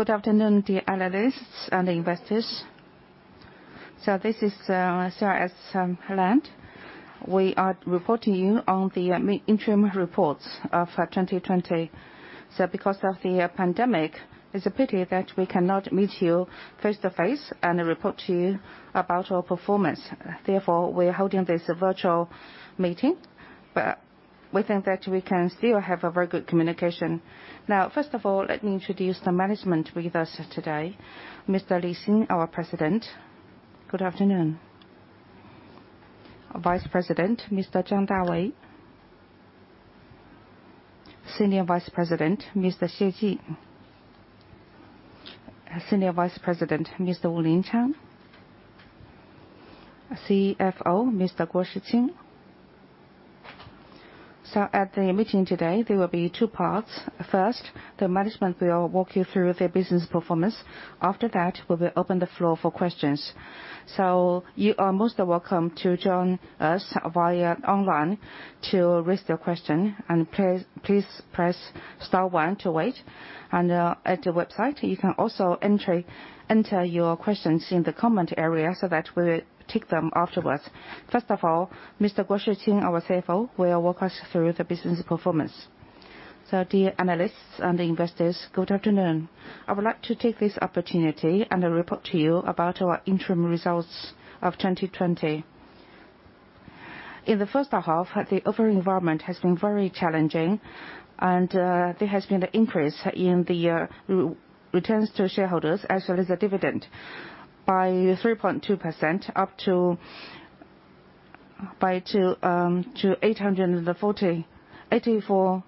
Good afternoon, dear analysts and investors. This is CRS Land. We are reporting you on the interim reports of 2020. Because of the pandemic, it's a pity that we cannot meet you face to face and report to you about our performance. Therefore, we're holding this virtual meeting. We think that we can still have a very good communication. Now, first of all, let me introduce the management with us today. Mr. Li Xin, our President. Good afternoon. Vice President, Mr. Zhang Dawei. Senior Vice President, Mr. Xie Ji. Senior Vice President, Mr. Yu Linkang. CFO, Mr. Guo Shiqing. At the meeting today, there will be two parts. First, the management will walk you through the business performance. After that, we will open the floor for questions. You are most welcome to join us via online to raise your question, and please press star one to wait. At the website, you can also enter your questions in the comment area so that we will take them afterwards. First of all, Mr. Guo Shiqing, our CFO, will walk us through the business performance. Dear analysts and investors, good afternoon. I would like to take this opportunity and report to you about our interim results of 2020. In the first half, the overall environment has been very challenging, and there has been an increase in the returns to shareholders as well as the dividend by 3.2% up to 884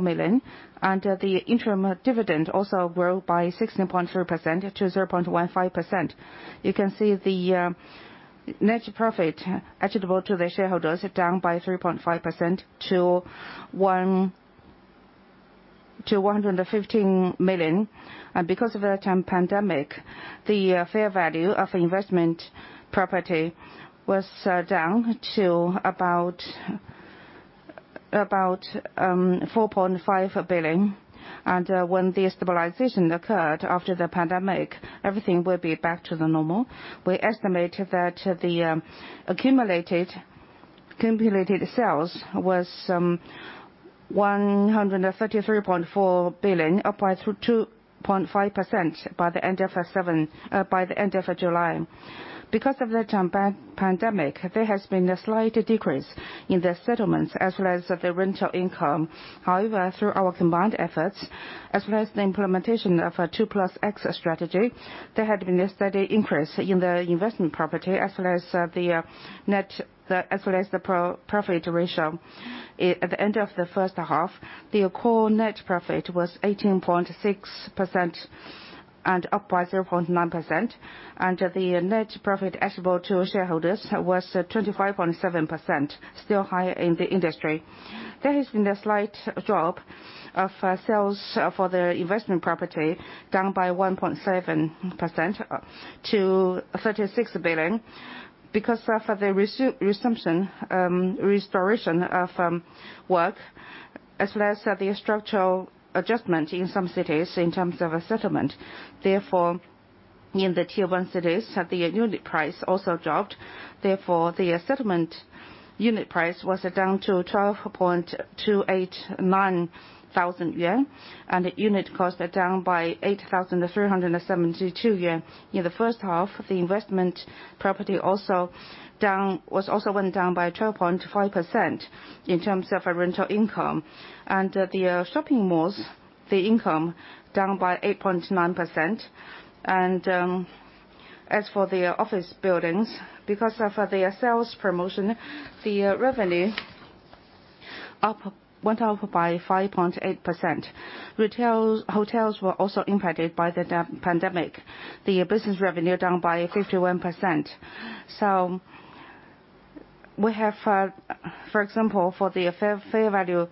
million. The interim dividend also grew by 16.3%-0.15%. You can see the net profit attributable to the shareholders is down by 3.5% to 115 million. Because of the pandemic, the fair value of investment property was down to about 4.5 billion. When the stabilization occurred after the pandemic, everything will be back to the normal. We estimated that the accumulated sales was 133.4 billion, up by 2.5% by the end of July. Because of the pandemic, there has been a slight decrease in the settlements as well as the rental income. However, through our combined efforts, as well as the implementation of a 2+X strategy, there had been a steady increase in the investment property, as well as the profit ratio. At the end of the first half, the core net profit was 18.6% and up by 0.9%, and the net profit attributable to shareholders was 25.7%, still high in the industry. There has been a slight drop of sales for the investment property, down by 1.7% to 36 billion because of the restoration of work, as well as the structural adjustment in some cities in terms of settlement. In the tier one cities, the unit price also dropped. The settlement unit price was down to 12,289 yuan, and the unit cost down by 8,372 yuan. In the first half, the investment property also went down by 12.5% in terms of rental income. The shopping malls, the income down by 8.9%. As for the office buildings, because of their sales promotion, the revenue went up by 5.8%. Hotels were also impacted by the pandemic, the business revenue down by 51%. We have, for example, for the fair value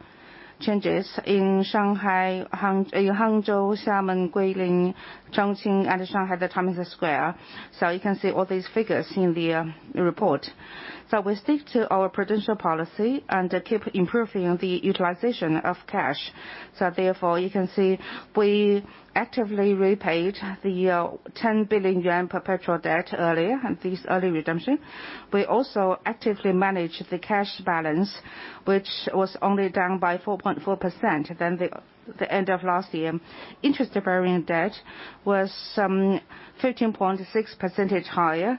changes in Shanghai, in Hangzhou, Xiamen, Guilin, Chongqing, and Shanghai Times Square. You can see all these figures in the report. We stick to our [prudential] policy and keep improving the utilization of cash. Therefore, you can see we actively repaid the 10 billion yuan perpetual debt earlier and this early redemption. We also actively managed the cash balance, which was only down by 4.4% than the end of last year. Interest-bearing debt was 13.6% higher,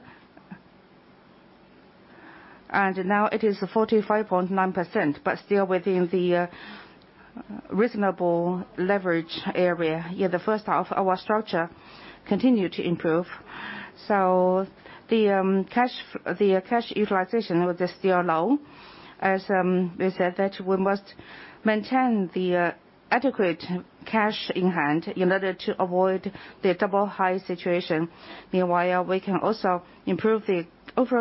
and now it is 45.9%, but still within the reasonable leverage area. In the first half, our structure continued to improve. The cash utilization was still low. As we said that we must maintain the adequate cash in hand in order to avoid the double high situation. Meanwhile, we can also improve the overall capital volume and improve the capital turnover. In the first half, through our combined efforts in optimizing the debt structure as well as the early redemption of a perpetual debt, they were also issued the medium-term note at a lower cost. As of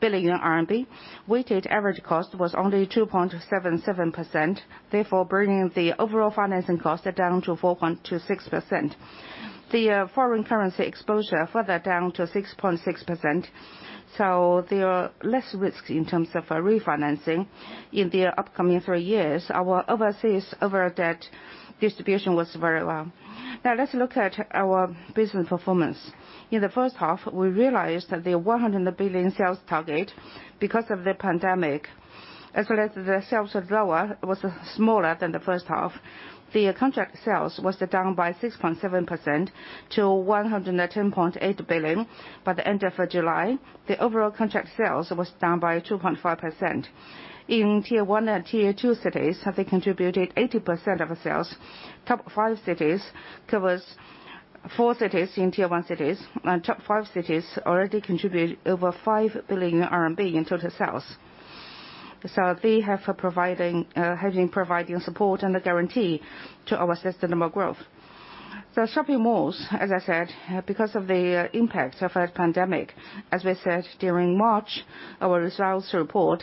4 billion RMB, weighted average cost was only 2.77%, therefore bringing the overall financing cost down to 4.26%. The foreign currency exposure further down to 6.6%, so there are less risks in terms of refinancing in the upcoming three years. Our overseas overdebt distribution was very well. Let's look at our business performance. In the first half, we realized that the 100 billion sales target, because of the pandemic, as well as the sales was smaller than the first half. The contract sales was down by 6.7% to 110.8 billion. By the end of July, the overall contract sales was down by 2.5%. In tier one and tier two cities, having contributed 80% of sales. Top five cities covers four cities in tier one cities. Top five cities already contribute over 5 billion RMB in total sales. They have been providing support and a guarantee to our sustainable growth. Shopping malls, as I said, because of the impact of pandemic, as we said during March, our results report,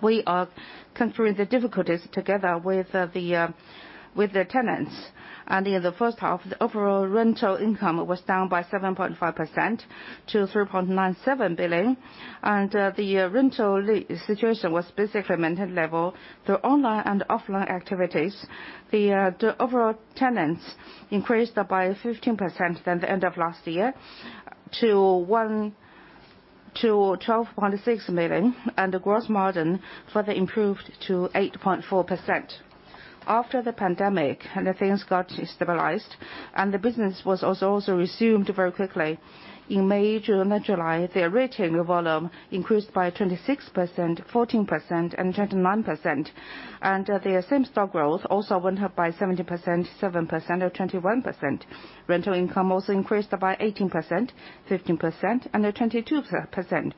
we are conquering the difficulties together with the tenants. In the first half, the overall rental income was down by 7.5% to 3.97 billion. The rental situation was basically maintained level. The online and offline activities, the overall tenants increased by 15% than the end of last year to 12.6 million, and the gross margin further improved to 8.4%. After the pandemic, things got stabilized, and the business was also resumed very quickly. In May, June, and July, the rental volume increased by 26%, 14%, and 29%. The same-store growth also went up by 17%, 7%, and 21%. Rental income also increased by 18%, 15%, and 22%.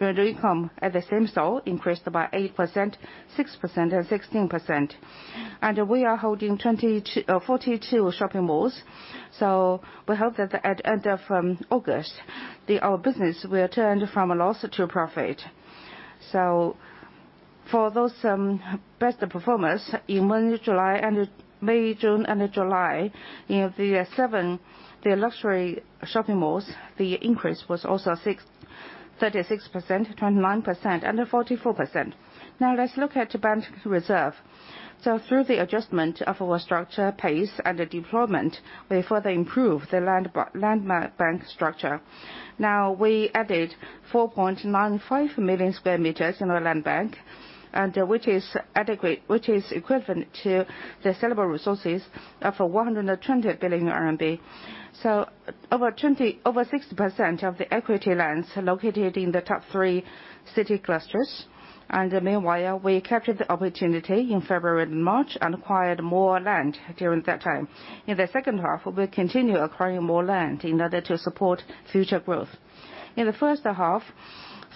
Rental income at the same store increased by 8%, 6%, and 16%. We are holding 42 shopping malls. We hope that at end of August, our business will turn from a loss to profit. For those best performers in May, June, and July, in the seven luxury shopping malls, the increase was also 36%, 29%, and 44%. Let's look at bank reserve. Through the adjustment of our structure pace and the deployment, we further improved the land bank structure. We added 4.95 million sq m in our land bank, which is equivalent to the sellable resources of 120 billion RMB. Over 60% of the equity lands are located in the top three city clusters. Meanwhile, we captured the opportunity in February and March and acquired more land during that time. In the second half, we'll continue acquiring more land in order to support future growth. In the first half,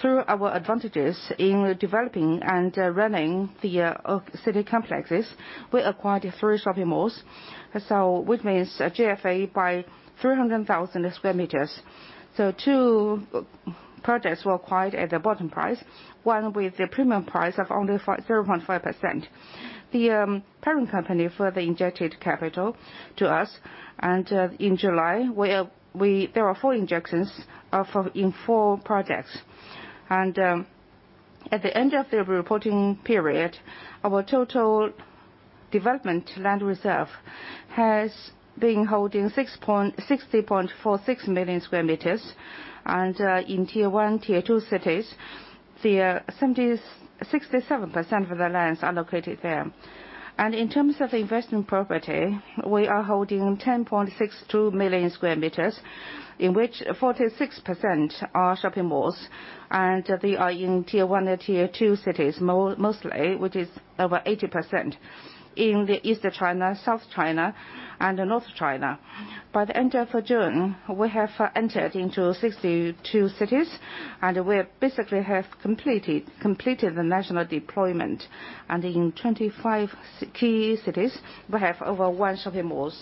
through our advantages in developing and running the city complexes, we acquired three shopping malls, which means GFA by 300,000 sq m. Two projects were acquired at the bottom price, one with the premium price of only 0.5%. The parent company further injected capital to us. In July, there were four injections in four projects. At the end of the reporting period, our total development land reserve has been holding 60.46 million sq m. In tier one, tier two cities, 67% of the lands are located there. In terms of investment property, we are holding 10.62 million sq m, in which 46% are shopping malls. They are in tier one and tier two cities mostly, which is over 80% in the Eastern China, South China, and North China. By the end of June, we have entered into 62 cities, and we basically have completed the national deployment. In 25 key cities, we have over one shopping mall.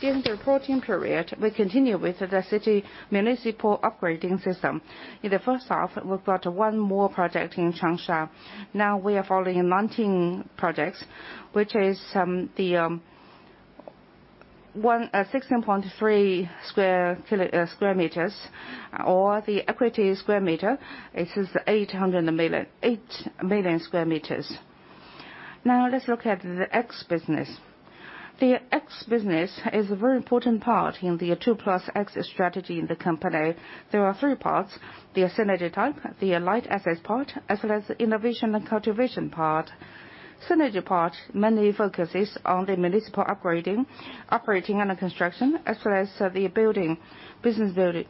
During the reporting period, we continue with the City Municipal Upgrading System. In the first half, we've got one more project in Changsha. Now we are holding 19 projects, which is the 16.3 sq m, or the equity square meter is 8 million sq m. Now let's look at the X Business. The X Business is a very important part in the 2+X strategy in the company. There are three parts, the Synergy type, the Light-Assets part, as well as Innovation & Cultivation part. Synergy part mainly focuses on the municipal upgrading, operating under construction, as well as the building business.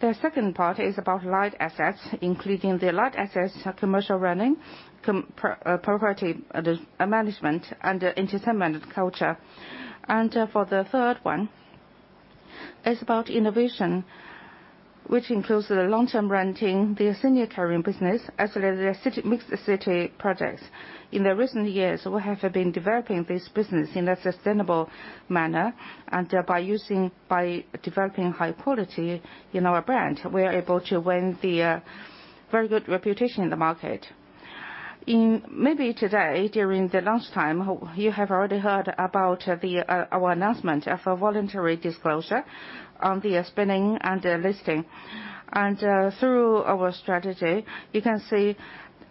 The second part is about Light-Assets, including the Light-Assets Commercial running, Property Management, and Entertainment culture. For the third one, it's about innovation, which includes the long-term renting, the Senior Caring Business, as well as the MixC projects. In the recent years, we have been developing this business in a sustainable manner. By developing high quality in our brand, we are able to win the very good reputation in the market. Maybe today, during the lunchtime, you have already heard about our announcement of a voluntary disclosure on the spinning and listing. Through our strategy, you can see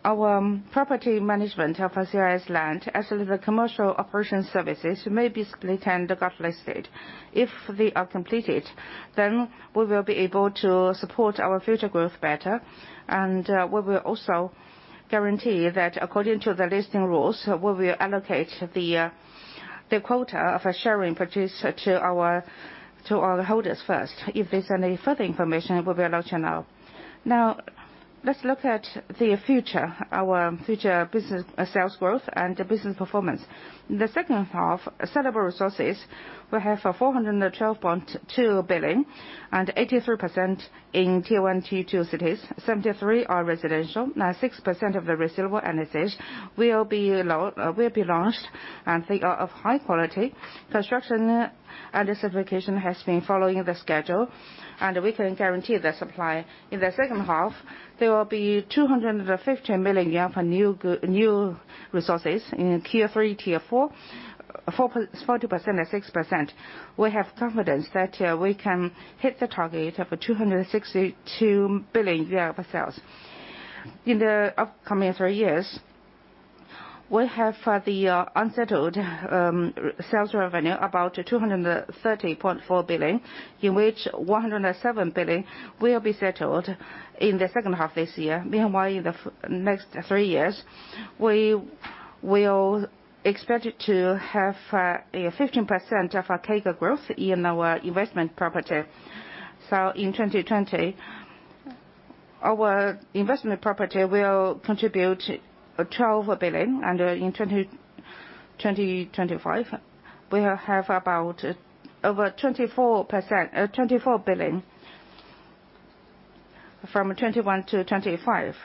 our property management of [China Resources] Land as the commercial operation services may be split and got listed. If they are completed, we will be able to support our future growth better. We will also guarantee that according to the listing rules, we will allocate the quota of sharing produced to our holders first. If there's any further information, we will let you know. Let's look at the future, our future business sales growth and business performance. In the second half, sellable resources, we have 412.2 billion and 83% in tier one, tier two cities, 73% are residential. 6% of the reservable assets will be launched, and they are of high quality. Construction and certification has been following the schedule, we can guarantee the supply. In the second half, there will be 250 million yuan for new resources in tier three, tier four, 40% and 6%. We have confidence that we can hit the target of 262 billion of sales. In the upcoming three years, we have the unsettled sales revenue about 230.4 billion, in which 107 billion will be settled in the second half this year. Meanwhile, in the next three years, we will expect to have a 15% of our CAGR growth in our investment property. In 2020, our investment property will contribute 12 billion and in 2025, we will have about over 24 billion from 2021 to 2025.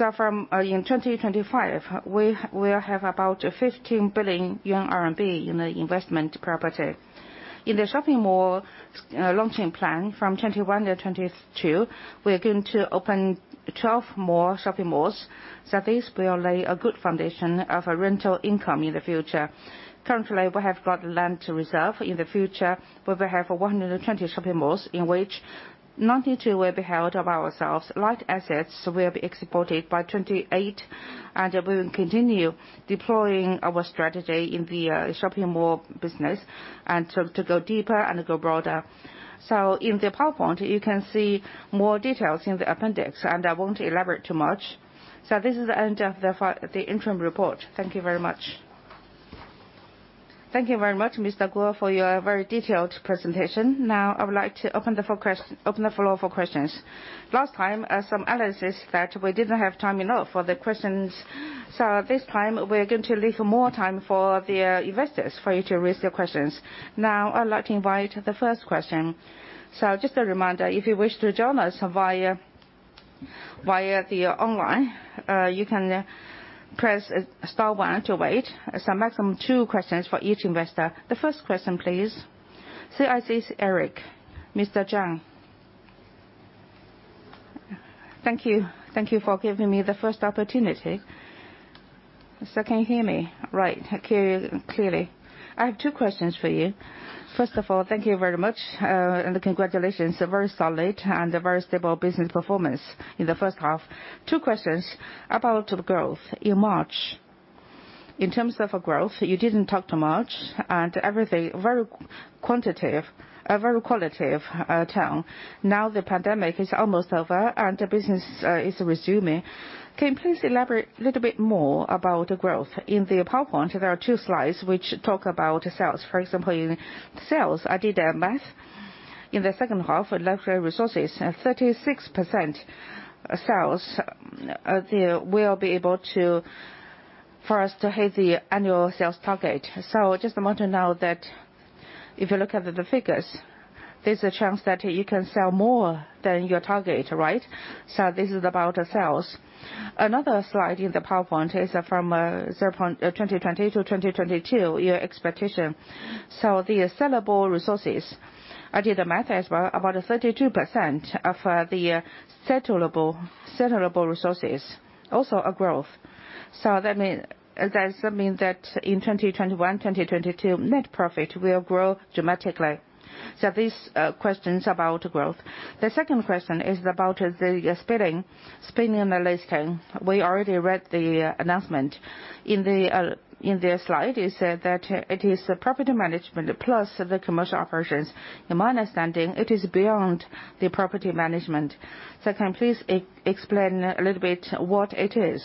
In 2025, we will have about 15 billion yuan in the investment property. In the shopping mall launching plan from 2021 to 2022, we are going to open 12 more shopping malls. This will lay a good foundation of a rental income in the future. Currently, we have got land to reserve. In the future, we will have 120 shopping malls in which 92 will be held by ourselves. Light-Assets will be exported by 2028, we will continue deploying our strategy in the shopping mall business and to go deeper and go broader. In the PowerPoint, you can see more details in the appendix, I won't elaborate too much. This is the end of the interim report. Thank you very much. Thank you very much, Mr. Guo, for your very detailed presentation. Now I would like to open the floor for questions. Last time, some analysts that we didn't have time enough for the questions, this time we're going to leave more time for the investors for you to raise your questions. Now, I'd like to invite the first question. Just a reminder, if you wish to join us via the online, you can press star one to wait. Maximum two questions for each investor. The first question, please. CIC, Eric. Mr. Zhang. Thank you. Thank you for giving me the first opportunity. Can you hear me? Right. Clearly. I have two questions for you. First of all, thank you very much and congratulations. A very solid and a very stable business performance in the first half. Two questions about the growth. In March, in terms of growth, you didn't talk too much and everything very qualitative tone. Now the pandemic is almost over and the business is resuming. Can you please elaborate a little bit more about the growth? In the PowerPoint, there are two slides which talk about sales. For example, in sales, I did the math. In the second half, for China Resources, at 36% sales, for us to hit the annual sales target. Just want to know that if you look at the figures, there's a chance that you can sell more than your target, right? This is about sales. Another slide in the PowerPoint is from 2020 to 2022, your expectation. The sellable resources, I did the math as well, about 32% of the sellable resources, also a growth. Does that mean that in 2021, 2022, net profit will grow dramatically? These questions about growth. The second question is about the spinning and listing. We already read the announcement. In the slide, you said that it is the property management plus the commercial operations. In my understanding, it is beyond the property management. Can you please explain a little bit what it is?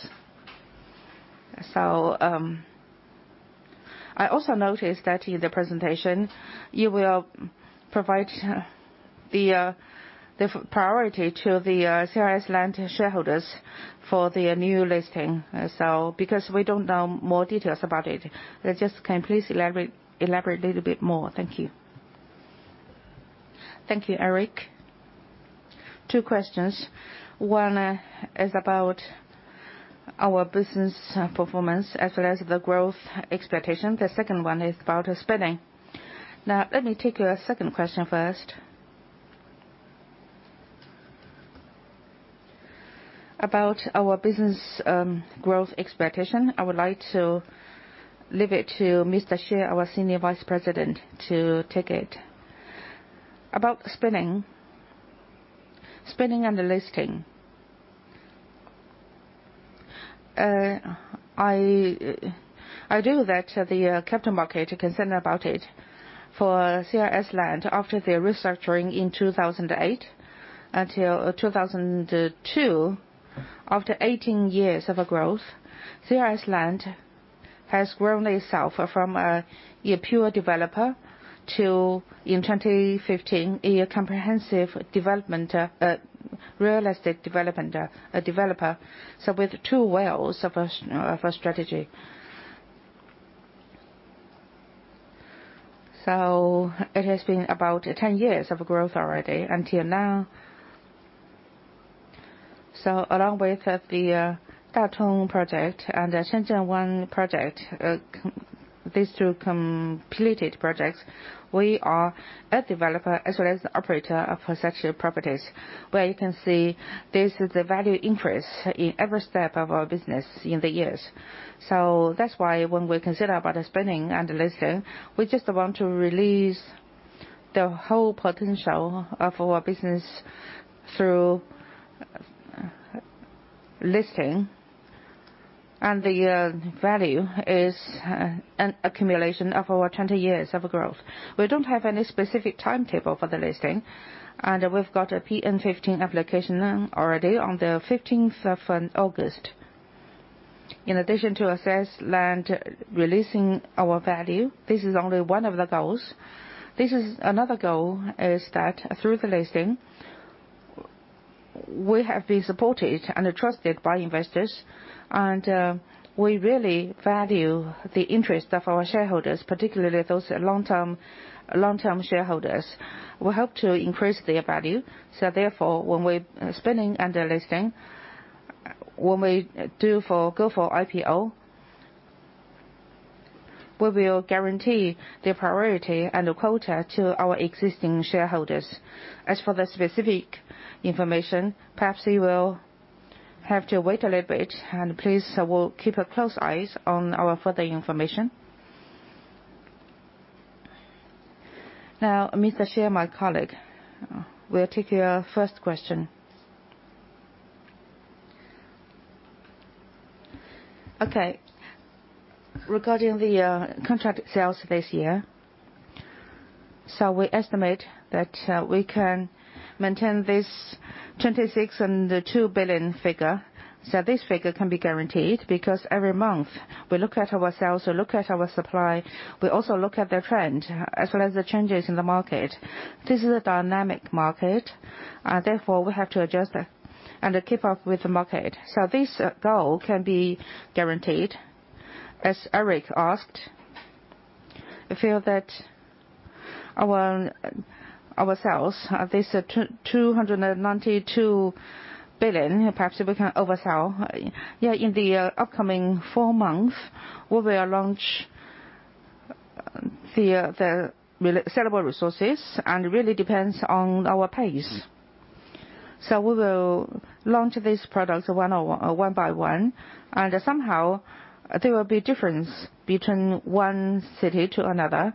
I also noticed that in the presentation, you will provide the priority to the CRS Land shareholders for the new listing. Because we don't know more details about it, just can you please elaborate a little bit more? Thank you. Thank you, Eric. Two questions. One is about our business performance as well as the growth expectation. The second one is about spinning. Let me take your second question first. About our business growth expectation, I would like to leave it to Mr. Xie, our Senior Vice President, to take it. About spinning and the listing. I agree that the capital market is concerned about it. For CRS Land, after the restructuring in 2008 until 2022, after 18 years of growth, CRS Land has grown itself from a pure developer to, in 2015, a comprehensive real estate developer. With two-wheels of a strategy. It has been about 10 years of growth already until now. Along with the Da Chong Project and the Shenzhen Bay Project, these two completed projects, we are a developer as well as the operator of such properties, where you can see this is the value increase in every step of our business in the years. That's why when we consider about spinning and listing, we just want to release the whole potential of our business through listing, and the value is an accumulation of over 20 years of growth. We don't have any specific timetable for the listing, and we've got a PN15 application already on the 15th of August. In addition to assess land, releasing our value, this is only one of the goals. Another goal is that through the listing, we have been supported and trusted by investors, and we really value the interest of our shareholders, particularly those long-term shareholders. We hope to increase their value. Therefore, when we're spinning and listing, when we do go for IPO, we will guarantee the priority and the quota to our existing shareholders. As for the specific information, perhaps you will have to wait a little bit, and please keep a close eye on our further information. Mr. Xie, my colleague, will take your first question. Regarding the contract sales this year, we estimate that we can maintain this 262 billion figure. This figure can be guaranteed because every month we look at our sales, we look at our supply. We also look at the trend as well as the changes in the market. This is a dynamic market, therefore we have to adjust and keep up with the market. This goal can be guaranteed. As Eric asked, I feel that our sales, this 292 billion, perhaps we can oversell. In the upcoming four months, we will launch the sellable resources really depends on our pace. We will launch these products one by one, somehow there will be difference between one city to another.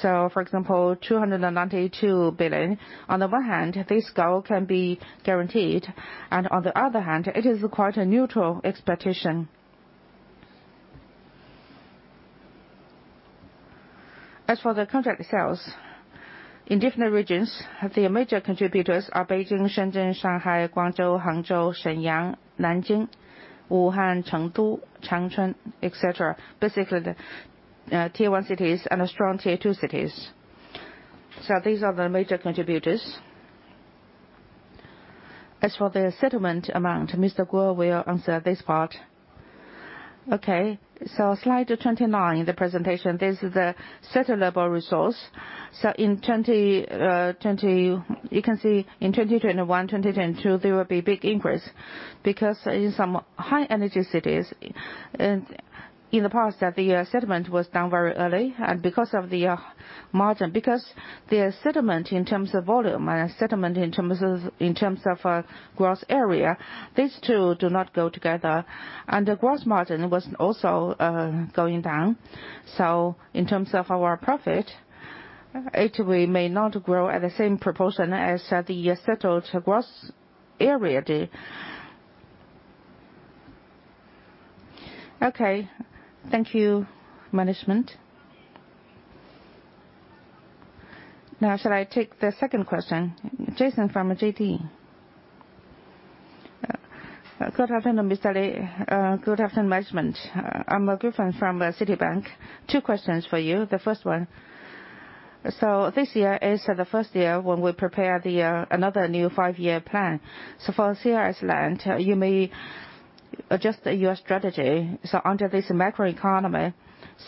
For example, 292 billion, on the one hand, this goal can be guaranteed, on the other hand, it is quite a neutral expectation. As for the contract sales in different regions, the major contributors are Beijing, Shenzhen, Shanghai, Guangzhou, Hangzhou, Shenyang, Nanjing, Wuhan, Chengdu, Changchun, et cetera. Basically, the tier one cities and strong tier two cities. These are the major contributors. As for the settlement amount, Mr. Guo will answer this part. Okay, slide 29 in the presentation. This is the settlement level resource. You can see in 2021, 2022, there will be a big increase because in some high energy cities in the past that the settlement was done very early and because of the margin. The settlement in terms of volume and settlement in terms of gross area, these two do not go together. The gross margin was also going down. In terms of our profit, it may not grow at the same proportion as the settled gross area did. Okay. Thank you, management. Shall I take the second question? Jason from JD. Good afternoon, Mr. Li. Good afternoon, management. I'm Griffin from Citibank. Two questions for you. The first one. This year is the first year when we prepare another new Five-Year Plan. For CRS Land, you may adjust your strategy under this macroeconomy.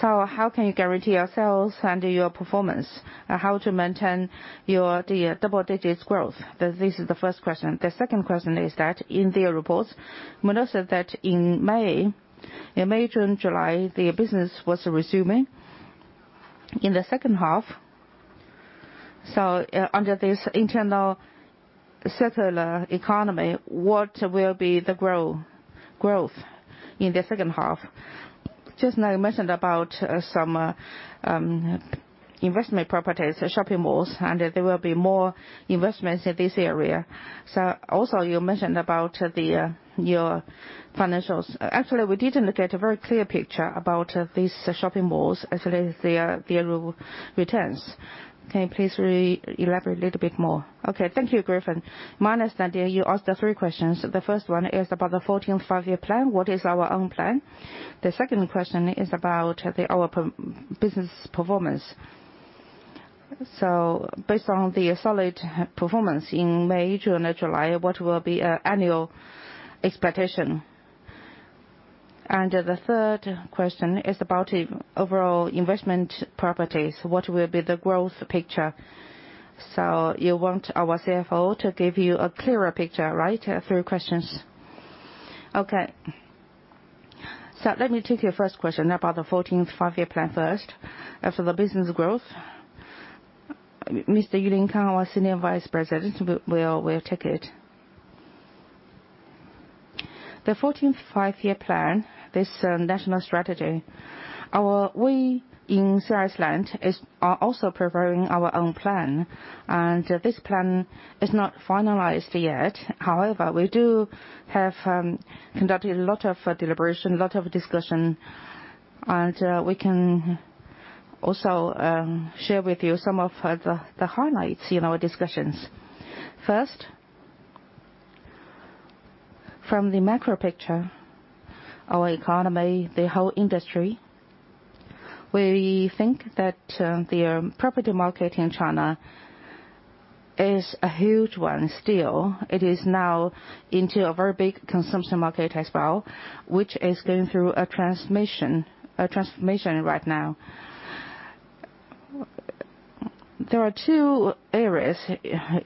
How can you guarantee your sales and your performance? How to maintain your double-digit growth? This is the first question. The second question is that in the reports, we know that in May, June, July, the business was resuming. In the second half, under this internal circular economy, what will be the growth in the second half? Just now you mentioned about some investment properties, shopping malls, and there will be more investments in this area. Also you mentioned about your financials. Actually, we didn't get a very clear picture about these shopping malls as their returns. Can you please elaborate a little bit more? Okay. Thank you, Griffin. You asked the three questions. The first one is about the 14th Five-Year Plan. What is our own plan? The second question is about our business performance. Based on the solid performance in May, June and July, what will be annual expectation? The third question is about overall investment properties. What will be the growth picture? You want our CFO to give you a clearer picture, right? Three questions. Okay. Let me take your first question about the 14th Five-Year Plan first. As for the business growth, Mr. Yu Linkang, our Senior Vice President, will take it. The 14th Five-Year Plan, this national strategy. We in China Resources Land is also preparing our own plan, and this plan is not finalized yet. However, we do have conducted a lot of deliberation, lot of discussion, and we can also share with you some of the highlights in our discussions. First, from the macro picture, our economy, the whole industry, we think that the property market in China is a huge one still. It is now into a very big consumption market as well, which is going through a transformation right now. There are two areas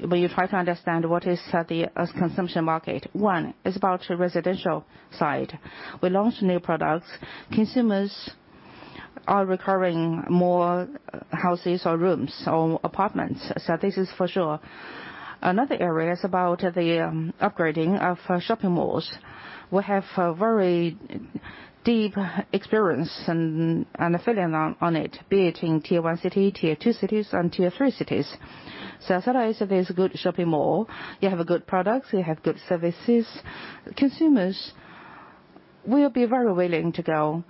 where you try to understand what is the consumption market. One is about residential side. We launched new products. Consumers are requiring more houses or rooms or apartments. This is for sure. Another area is about the upgrading of shopping malls. We have a very deep experience and a feeling on it, be it in tier one city, tier two cities, and tier three cities. As long as there's a good shopping mall, you have a good product, you have good services, consumers will be very willing to go.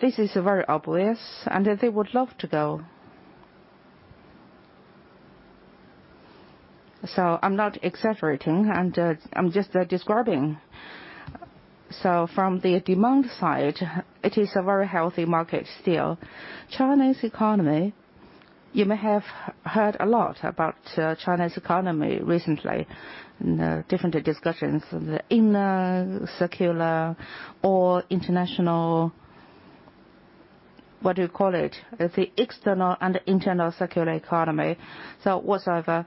This is very obvious, and they would love to go. I'm not exaggerating, and I'm just describing. From the demand side, it is a very healthy market still. Chinese economy, you may have heard a lot about China's economy recently in different discussions, in circular or international, what do you call it? The external and internal circular economy. Whatsoever,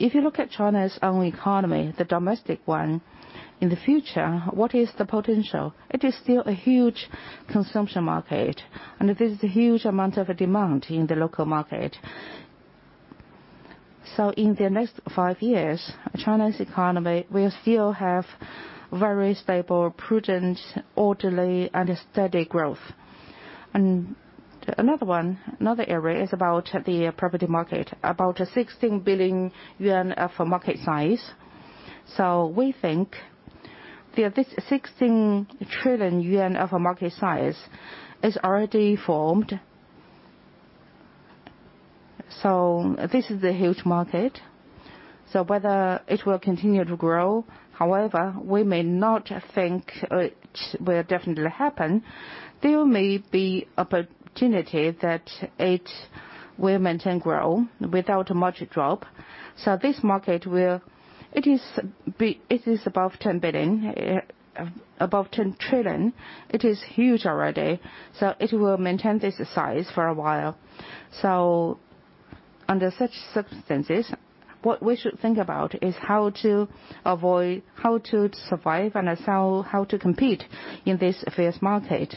if you look at China's own economy, the domestic one, in the future, what is the potential? It is still a huge consumption market, and there's a huge amount of demand in the local market. In the next five years, China's economy will still have very stable, prudent, orderly, and steady growth. Another one, another area is about the property market, about 16 billion yuan of market size. We think this 16 trillion yuan of market size is already formed. This is a huge market. Whether it will continue to grow, however, we may not think it will definitely happen. There may be opportunity that it will maintain growth without much drop. This market it is above 10 billion, above 10 trillion. It is huge already. It will maintain this size for a while. Under such circumstances, what we should think about is how to avoid, how to survive, and how to compete in this fierce market.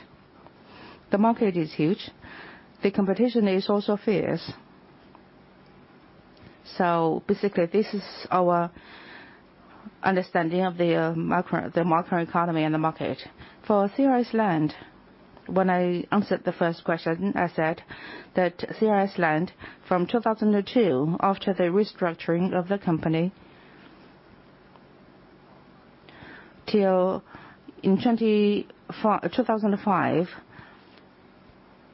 The market is huge. The competition is also fierce. Basically, this is our understanding of the macroeconomy and the market. For China Resources Land, when I answered the first question, I said that China Resources Land from 2002, after the restructuring of the company, till in 2005,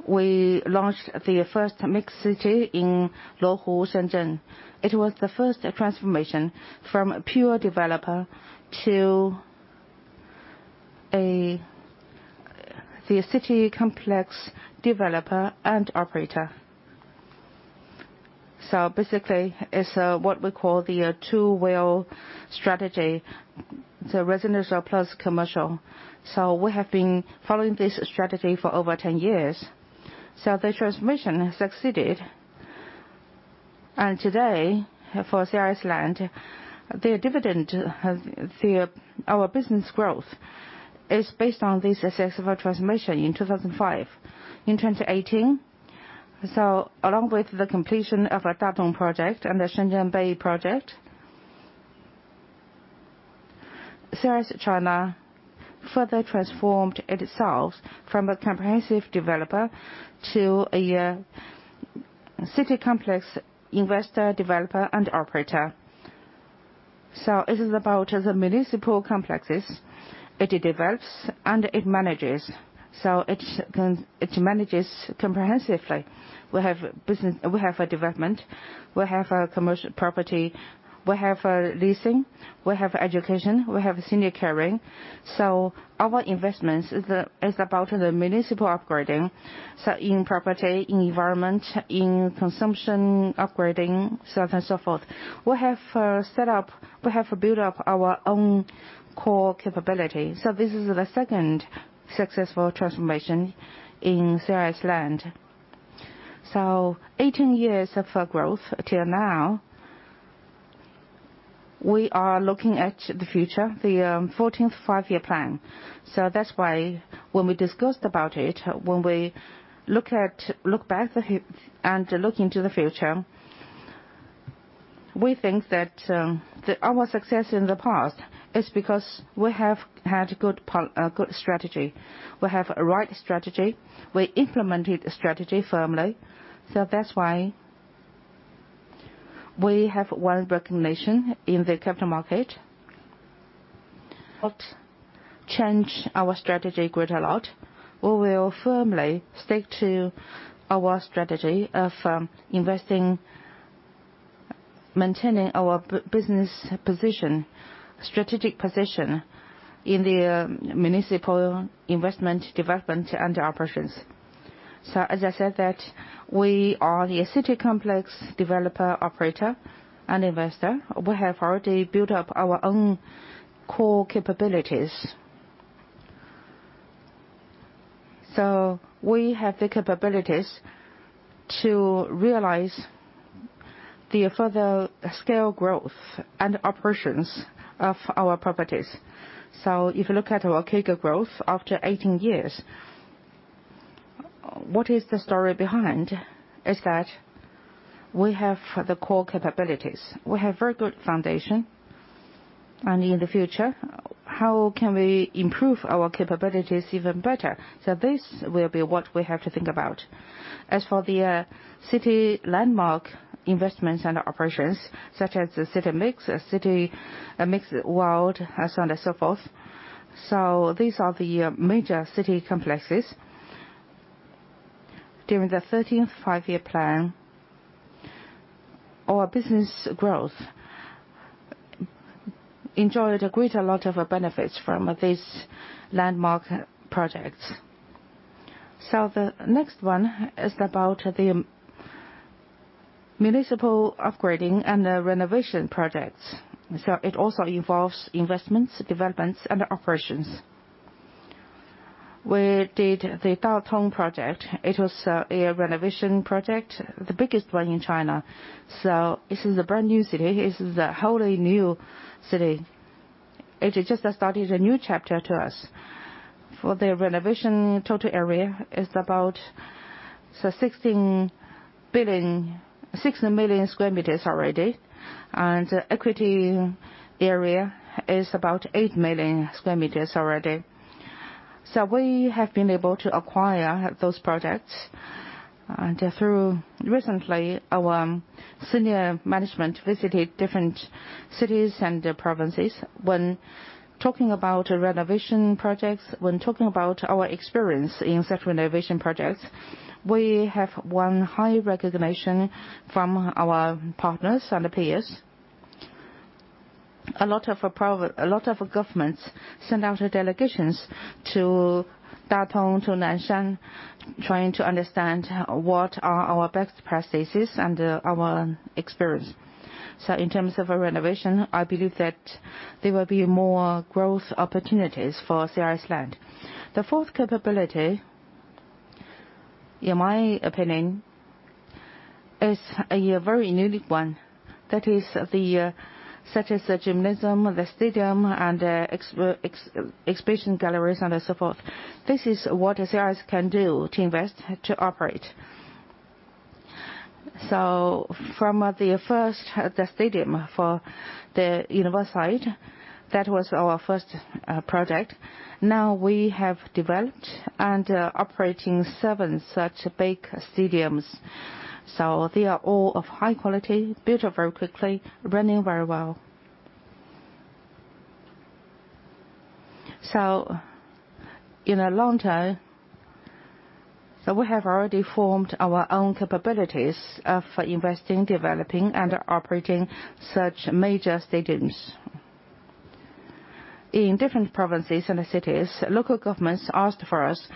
we launched the first MixC in Luohu, Shenzhen. It was the first transformation from a pure developer to a city complex developer and operator. Basically, it's what we call the two-wheel strategy, the residential plus commercial. We have been following this strategy for over 10 years. The transformation succeeded. Today, for CRS Land, their dividend has our business growth is based on this successful transformation in 2005. In 2018, along with the completion of our Da Chong Project and the Shenzhen Bay Project, CRS Land further transformed itself from a comprehensive developer to a city complex investor, developer, and operator. It is about the municipal complexes it develops and it manages. It manages comprehensively. We have a development, we have a commercial property, we have leasing, we have education, we have senior caring. Our investment is about the municipal upgrading in property, in environment, in consumption upgrading, so on and so forth. We have built up our own core capability. This is the second successful transformation in CRS Land. 18 years of growth till now, we are looking at the future, the 14th Five-Year Plan. That's why when we discussed about it, when we look back and look into the future, we think that our success in the past is because we have had a good strategy. We have a right strategy. We implemented the strategy firmly. That's why we have wide recognition in the capital market. We will not change our strategy quite a lot. We will firmly stick to our strategy of investing, maintaining our business position, strategic position in the municipal investment development and operations. As I said that we are the city complex developer, operator, and investor. We have already built up our own core capabilities. We have the capabilities to realize the further scale growth and operations of our properties. If you look at our CAGR growth after 18 years, what is the story behind, is that we have the core capabilities. We have very good foundation. In the future, how can we improve our capabilities even better? This will be what we have to think about. As for the city landmark investments and operations, such as the MixC World, and so on and so forth. These are the major city complexes. During the 13th Five-Year Plan, our business growth enjoyed a great lot of benefits from these landmark projects. The next one is about the municipal upgrading and renovation projects. It also involves investments, developments, and operations. We did the Da Chong Project. It was a renovation project, the biggest one in China. This is a brand new city. This is a wholly new city. It just started a new chapter to us. For the renovation, total area is about 16 million sq m already, and equity area is about 8 million sq m already. We have been able to acquire those projects through, recently, our senior management visited different cities and provinces. When talking about renovation projects, when talking about our experience in such renovation projects, we have won high recognition from our partners and peers. A lot of governments send out delegations to Da Chong, to Nanshan, trying to understand what are our best practices and our experience. In terms of renovation, I believe that there will be more growth opportunities for China Resources Land. The fourth capability, in my opinion, is a very unique one. That is such as the gymnasium, the stadium, and exhibition galleries, and so forth. This is what CRS can do to invest, to operate. From the first stadium for the university, that was our first project. Now we have developed and operating seven such big stadiums. They are all of high quality, built very quickly, running very well. In the long term, we have already formed our own capabilities of investing, developing, and operating such major stadiums. In different provinces and cities, local governments asked for us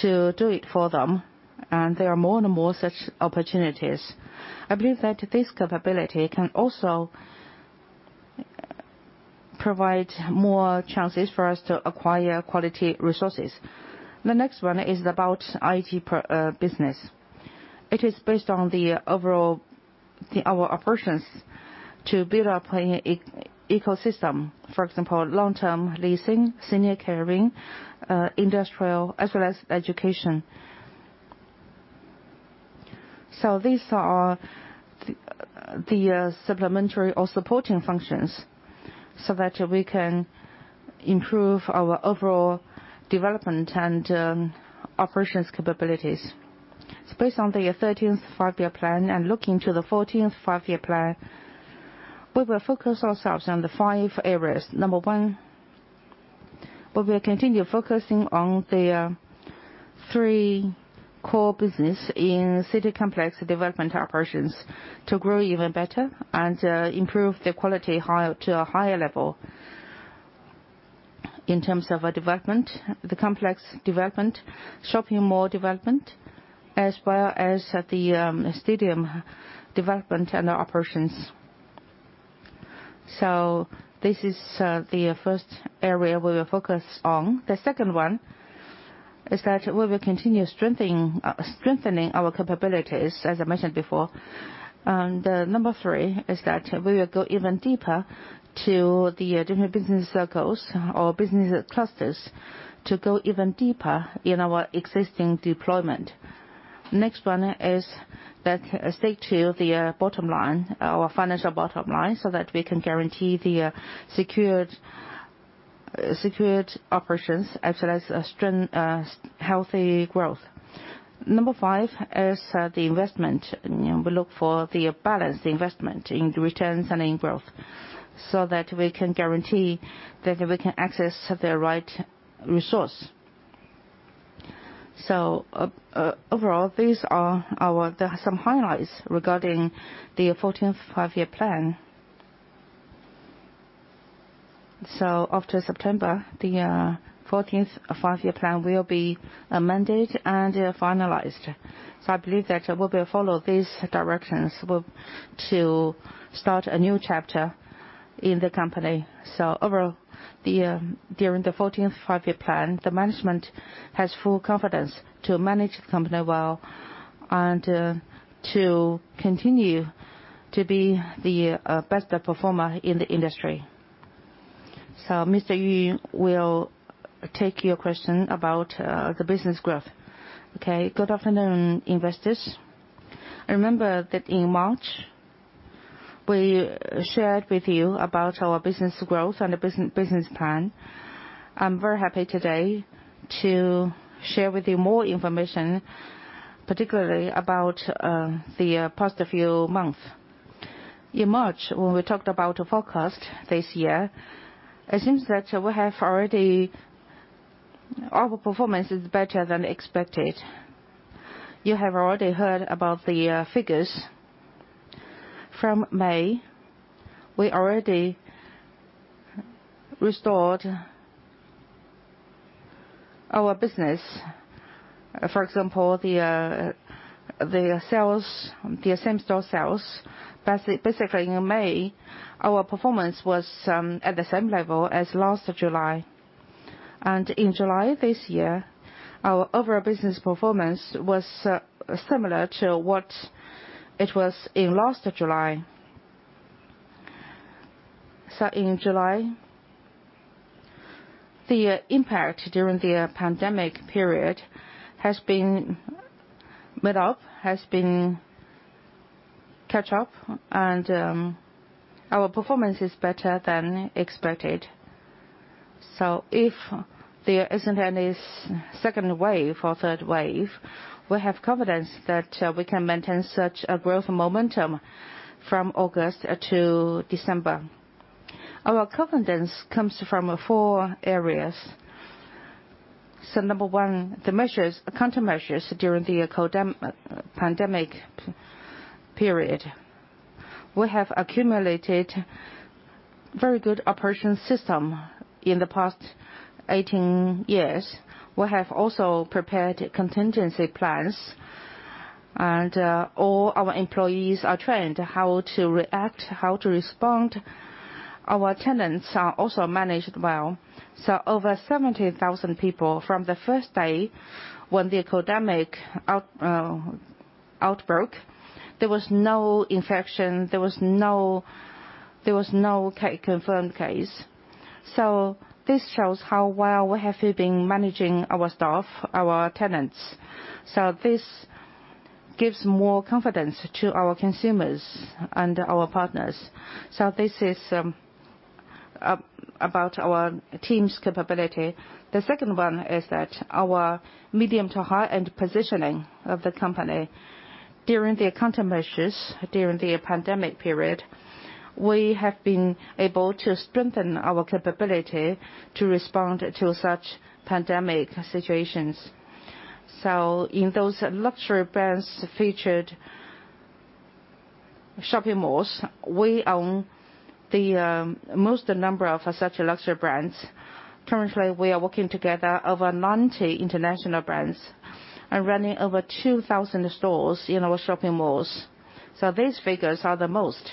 to do it for them, and there are more and more such opportunities. I believe that this capability can also provide more chances for us to acquire quality resources. The next one is about IT business. It is based on our operations to build up an ecosystem. For example, long-term leasing, senior caring, industrial, as well as education. These are the supplementary or supporting functions so that we can improve our overall development and operations capabilities. Based on the 13th Five-Year Plan and looking to the 14th Five-Year Plan, we will focus ourselves on the five areas. Number one, we will continue focusing on the three core businesses in city complex development operations to grow even better and improve the quality to a higher level in terms of the complex development, shopping mall development, as well as the stadium development and the operations. This is the first area we will focus on. The second one is that we will continue strengthening our capabilities, as I mentioned before. The number three is that we will go even deeper to the different business circles or business clusters to go even deeper in our existing deployment. Next one is let's stay to the bottom line, our financial bottom line, so that we can guarantee the secured operations as well as a healthy growth. Number five is the investment. We look for the balanced investment in returns and in growth so that we can guarantee that we can access the right resource. Overall, these are some highlights regarding the 14th Five-Year Plan. After September, the 14th Five-Year Plan will be amended and finalized. I believe that we will follow these directions to start a new chapter in the company. Overall, during the 14th Five-Year Plan, the management has full confidence to manage the company well and to continue to be the best performer in the industry. Mr. Yu will take your question about the business growth. Okay. Good afternoon, investors. Remember that in March, we shared with you about our business growth and the business plan. I'm very happy today to share with you more information, particularly about the past few months. In March, when we talked about the forecast this year, it seems that our performance is better than expected. You have already heard about the figures. From May, we already restored our business. For example, the same-store sales. Basically, in May, our performance was at the same level as last July. In July this year, our overall business performance was similar to what it was in last July. In July, the impact during the pandemic period has been made up, has been caught up, and our performance is better than expected. If there isn't any second wave or third wave, we have confidence that we can maintain such a growth momentum from August to December. Our confidence comes from four areas. Number one, the countermeasures during the pandemic period. We have accumulated very good operation system in the past 18 years. We have also prepared contingency plans, and all our employees are trained how to react, how to respond. Our tenants are also managed well. Over 17,000 people from the first day when the pandemic outbreak, there was no infection, there was no confirmed case. This shows how well we have been managing our staff, our tenants. This gives more confidence to our consumers and our partners. This is about our team's capability. The second one is that our medium to high-end positioning of the company during the countermeasures, during the pandemic period, we have been able to strengthen our capability to respond to such pandemic situations. In those luxury brands featured shopping malls, we own the most number of such luxury brands. Currently, we are working together over 90 international brands and running over 2,000 stores in our shopping malls. These figures are the most.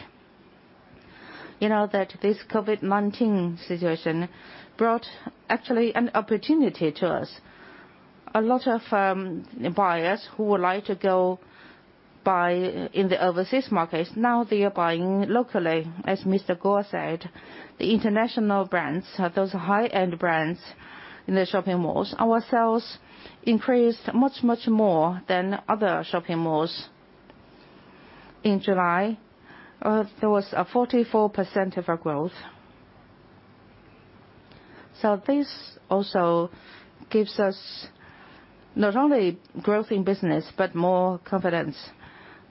You know that this COVID-19 situation brought, actually, an opportunity to us. A lot of, buyers who would like to go buy in the overseas markets, now they are buying locally. As Mr. Guo said, the international brands, those high-end brands in the shopping malls, our sales increased much, much more than other shopping malls. In July, there was a 44% of our growth. This also gives us not only growth in business, but more confidence.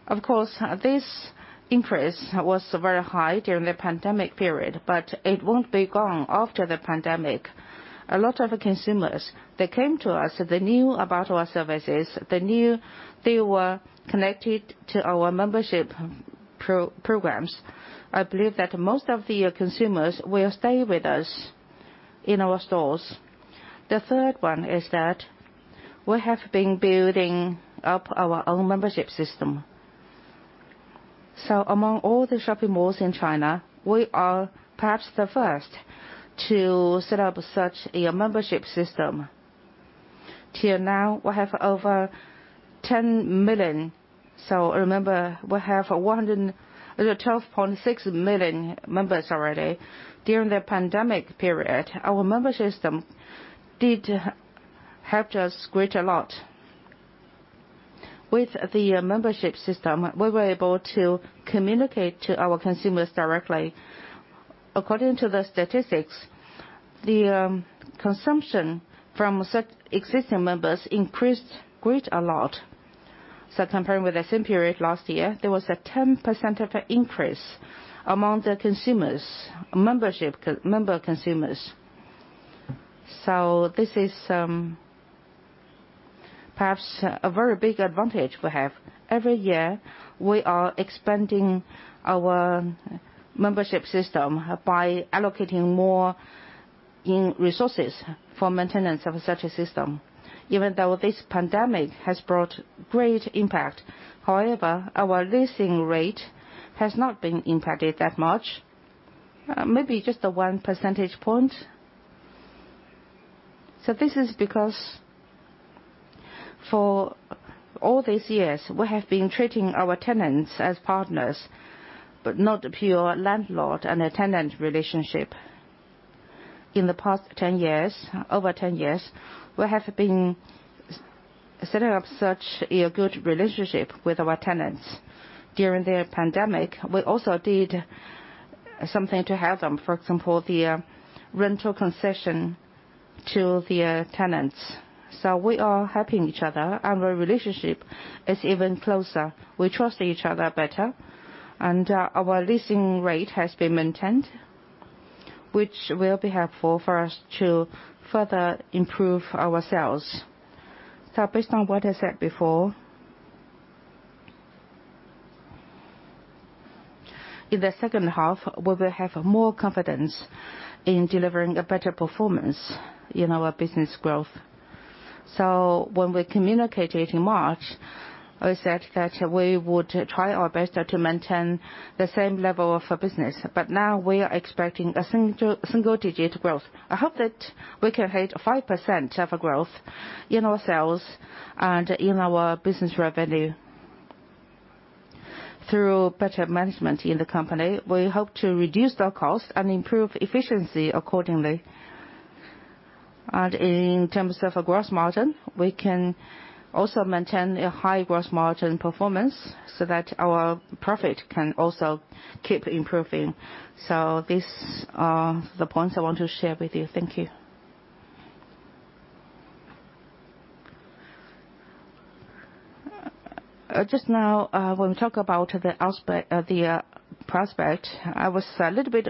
Of course, this increase was very high during the pandemic period, but it won't be gone after the pandemic. A lot of consumers, they came to us, they knew about our services, they knew they were connected to our membership programs. I believe that most of the consumers will stay with us in our stores. The third one is that we have been building up our own membership system. Among all the shopping malls in China, we are perhaps the first to set up such a membership system. Till now, we have over 10 million. Remember, we have 12.6 million members already. During the pandemic period, our member system did help us greatly. With the membership system, we were able to communicate to our consumers directly. According to the statistics, the consumption from such existing members increased greatly. Comparing with the same period last year, there was a 10% of increase among the member consumers. This is perhaps a very big advantage we have. Every year, we are expanding our membership system by allocating more resources for maintenance of such a system. Even though this pandemic has brought great impact, however, our leasing rate has not been impacted that much. Maybe just 1 percentage point. This is because for all these years, we have been treating our tenants as partners, but not pure landlord and a tenant relationship. In the past 10 years, over 10 years, we have been setting up such a good relationship with our tenants. During the pandemic, we also did something to help them. For example, the rental concession to the tenants. We are helping each other, and our relationship is even closer. We trust each other better, and our leasing rate has been maintained, which will be helpful for us to further improve our sales. Based on what I said before, in the second half, we will have more confidence in delivering a better performance in our business growth. When we communicated in March, I said that we would try our best to maintain the same level of business. Now we are expecting a single-digit growth. I hope that we can hit 5% of a growth in our sales and in our business revenue. Through better management in the company, we hope to reduce the cost and improve efficiency accordingly. In terms of our gross margin, we can also maintain a high gross margin performance so that our profit can also keep improving. These are the points I want to share with you. Thank you. Just now, when we talk about the prospect, I was a little bit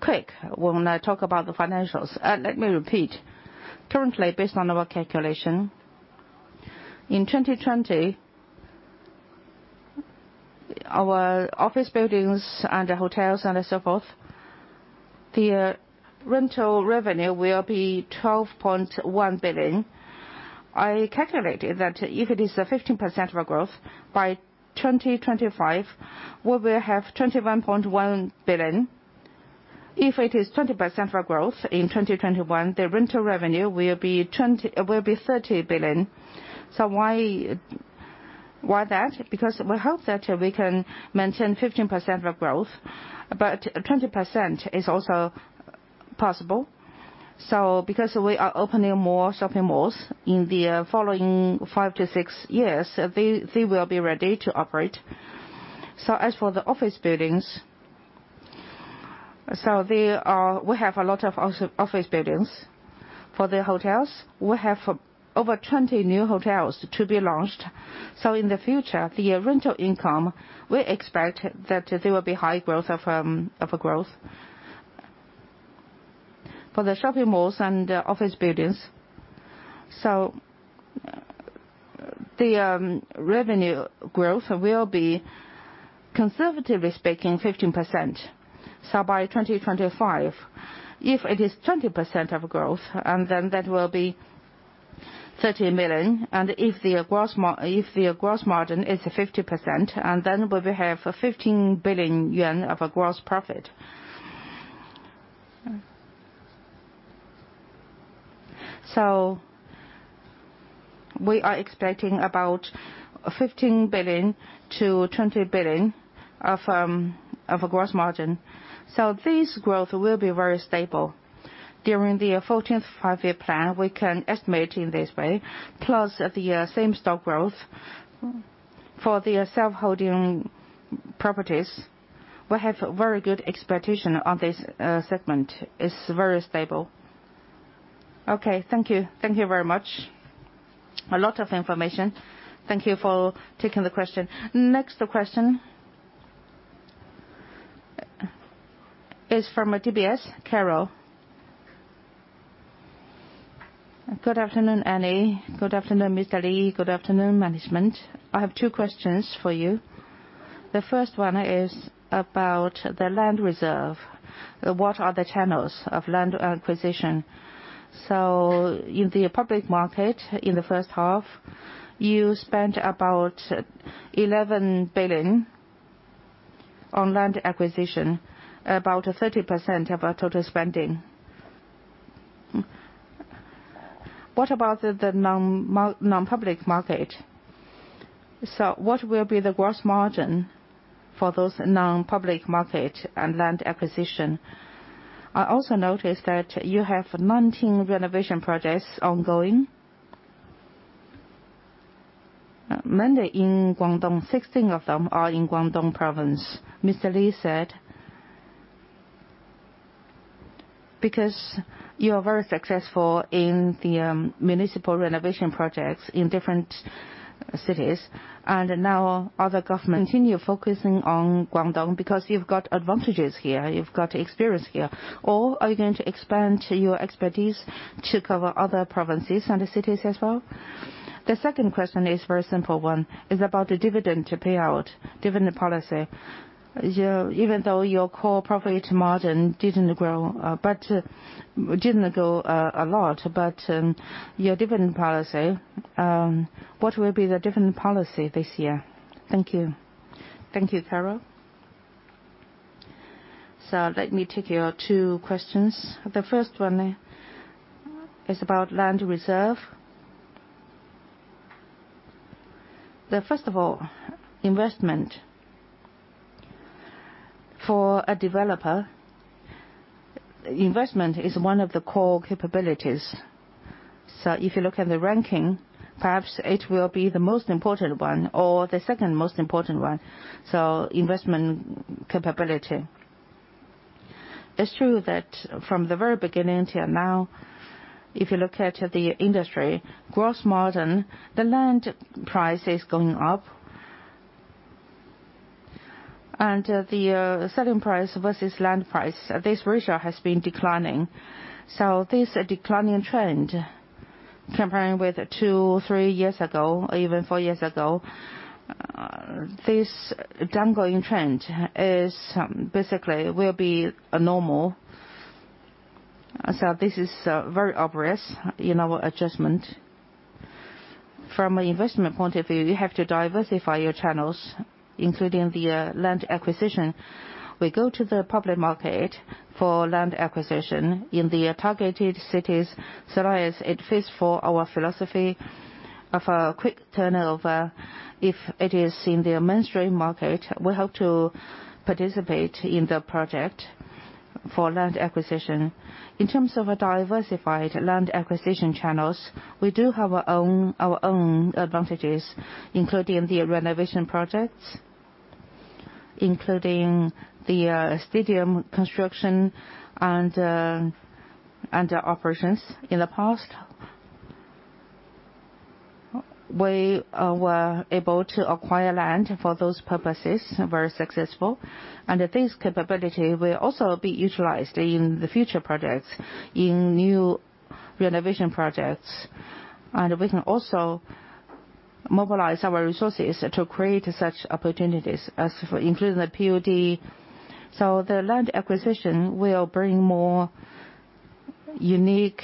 quick when I talk about the financials. Let me repeat. Currently, based on our calculation, in 2020, our office buildings and hotels and so forth, the rental revenue will be 12.1 billion. I calculated that if it is a 15% of our growth, by 2025, we will have 21.1 billion. If it is 20% for growth in 2021, the rental revenue will be 30 billion. Why that? Because we hope that we can maintain 15% of our growth, but 20% is also possible. Because we are opening more shopping malls in the following five to six years, they will be ready to operate. As for the office buildings, we have a lot of office buildings. For the hotels, we have over 20 new hotels to be launched. In the future, the rental income, we expect that there will be high growth. For the shopping malls and office buildings, the revenue growth will be, conservatively speaking, 15%. By 2025, if it is 20% of growth, that will be 30 million. If the gross margin is 50%, we will have 15 billion yuan of gross profit. We are expecting about 15 billion-20 billion of gross margin. This growth will be very stable. During the 14th Five-Year Plan, we can estimate in this way, plus the same-store growth for the self-holding properties. We have very good expectation on this segment. It's very stable. Okay. Thank you. Thank you very much. A lot of information. Thank you for taking the question. Next question is from DBS, Carol. Good afternoon, Annie. Good afternoon, Mr. Li. Good afternoon, management. I have two questions for you. The first one is about the land reserve. What are the channels of land acquisition? In the public market, in the first half, you spent about 11 billion on land acquisition, about 30% of our total spending. What about the non-public market? What will be the gross margin for those non-public market and land acquisition? I also noticed that you have 19 renovation projects ongoing. Many in Guangdong, 16 of them are in Guangdong province, Mr. Li said. You are very successful in the municipal renovation projects in different cities, and now other government continue focusing on Guangdong because you've got advantages here, you've got experience here, or are you going to expand your expertise to cover other provinces and the cities as well? The second question is very simple one. It's about the dividend payout, dividend policy. Even though your core profit margin didn't grow a lot, your dividend policy, what will be the dividend policy this year? Thank you. Thank you, Carol. Let me take your two questions. The first one is about land reserve. First of all, investment. For a developer, investment is one of the core capabilities. If you look at the ranking, perhaps it will be the most important one or the second most important one. Investment capability. It's true that from the very beginning till now, if you look at the industry gross margin, the land price is going up. The selling price versus land price, this ratio has been declining. This declining trend, comparing with two, three years ago, even four years ago, this down going trend basically will be normal. This is very obvious in our adjustment. From an investment point of view, you have to diversify your channels, including the land acquisition. We go to the public market for land acquisition in the targeted cities so as it fits for our philosophy of a quick turnover. If it is in the mainstream market, we have to participate in the project for land acquisition. In terms of a diversified land acquisition channels, we do have our own advantages, including the renovation projects, including the stadium construction, and operations in the past. We were able to acquire land for those purposes very successful. This capability will also be utilized in the future projects, in new renovation projects. We can also mobilize our resources to create such opportunities as including the TOD. The land acquisition will bring more unique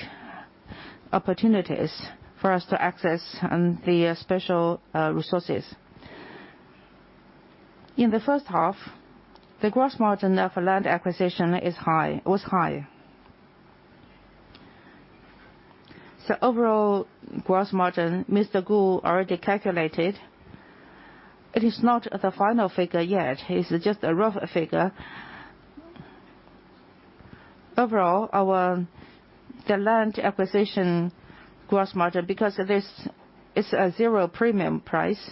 opportunities for us to access the special resources. In the first half, the gross margin of land acquisition was high. Overall gross margin, Mr. Guo already calculated. It is not the final figure yet. It's just a rough figure. Overall, the land acquisition gross margin, because this is a zero premium price,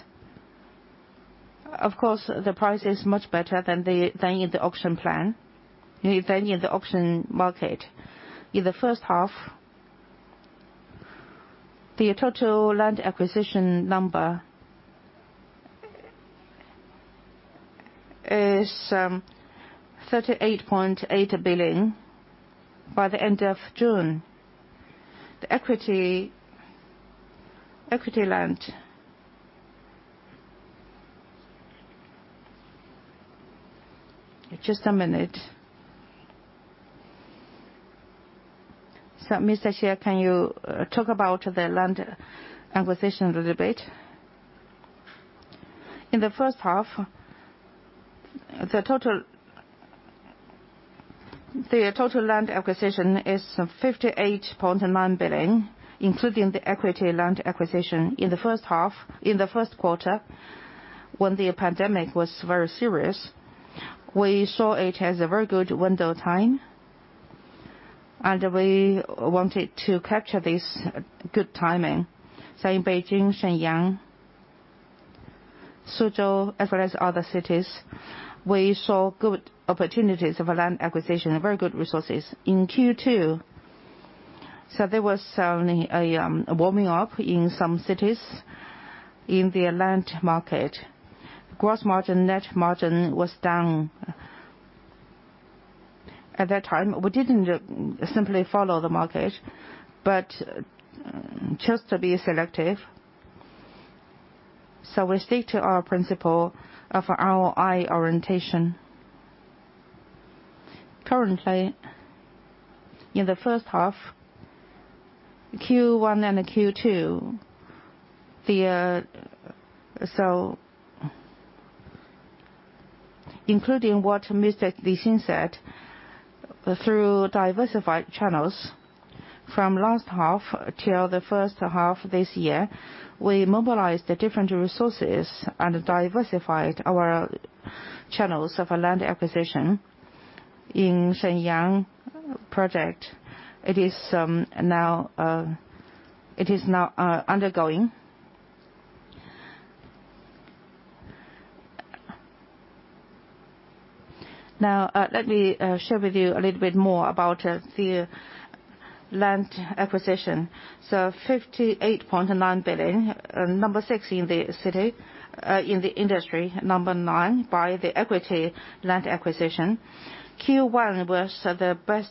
of course, the price is much better than in the auction market. In the first half, the total land acquisition number is 38.8 billion by the end of June. The equity land. Just a minute. Mr. Xie, can you talk about the land acquisition a little bit? In the first half, the total land acquisition is 58.9 billion, including the equity land acquisition in the first half. In the first quarter, when the pandemic was very serious, we saw it as a very good window of time, and we wanted to capture this good timing. In Beijing, Shenyang, Suzhou, as well as other cities, we saw good opportunities for land acquisition and very good resources. In Q2, there was only a warming up in some cities in the land market. Gross margin, net margin was down at that time. We didn't simply follow the market, but chose to be selective. We stick to our principle of ROI orientation. Currently, in the first half, Q1 and Q2, including what Mr. Li Xin said, through diversified channels from last half till the first half this year, we mobilized the different resources and diversified our channels of land acquisition. In Shenyang, the project is now undergoing. Let me share with you a little bit more about the land acquisition. 58.9 billion, number six in the industry, number nine by the equity land acquisition. Q1 was the best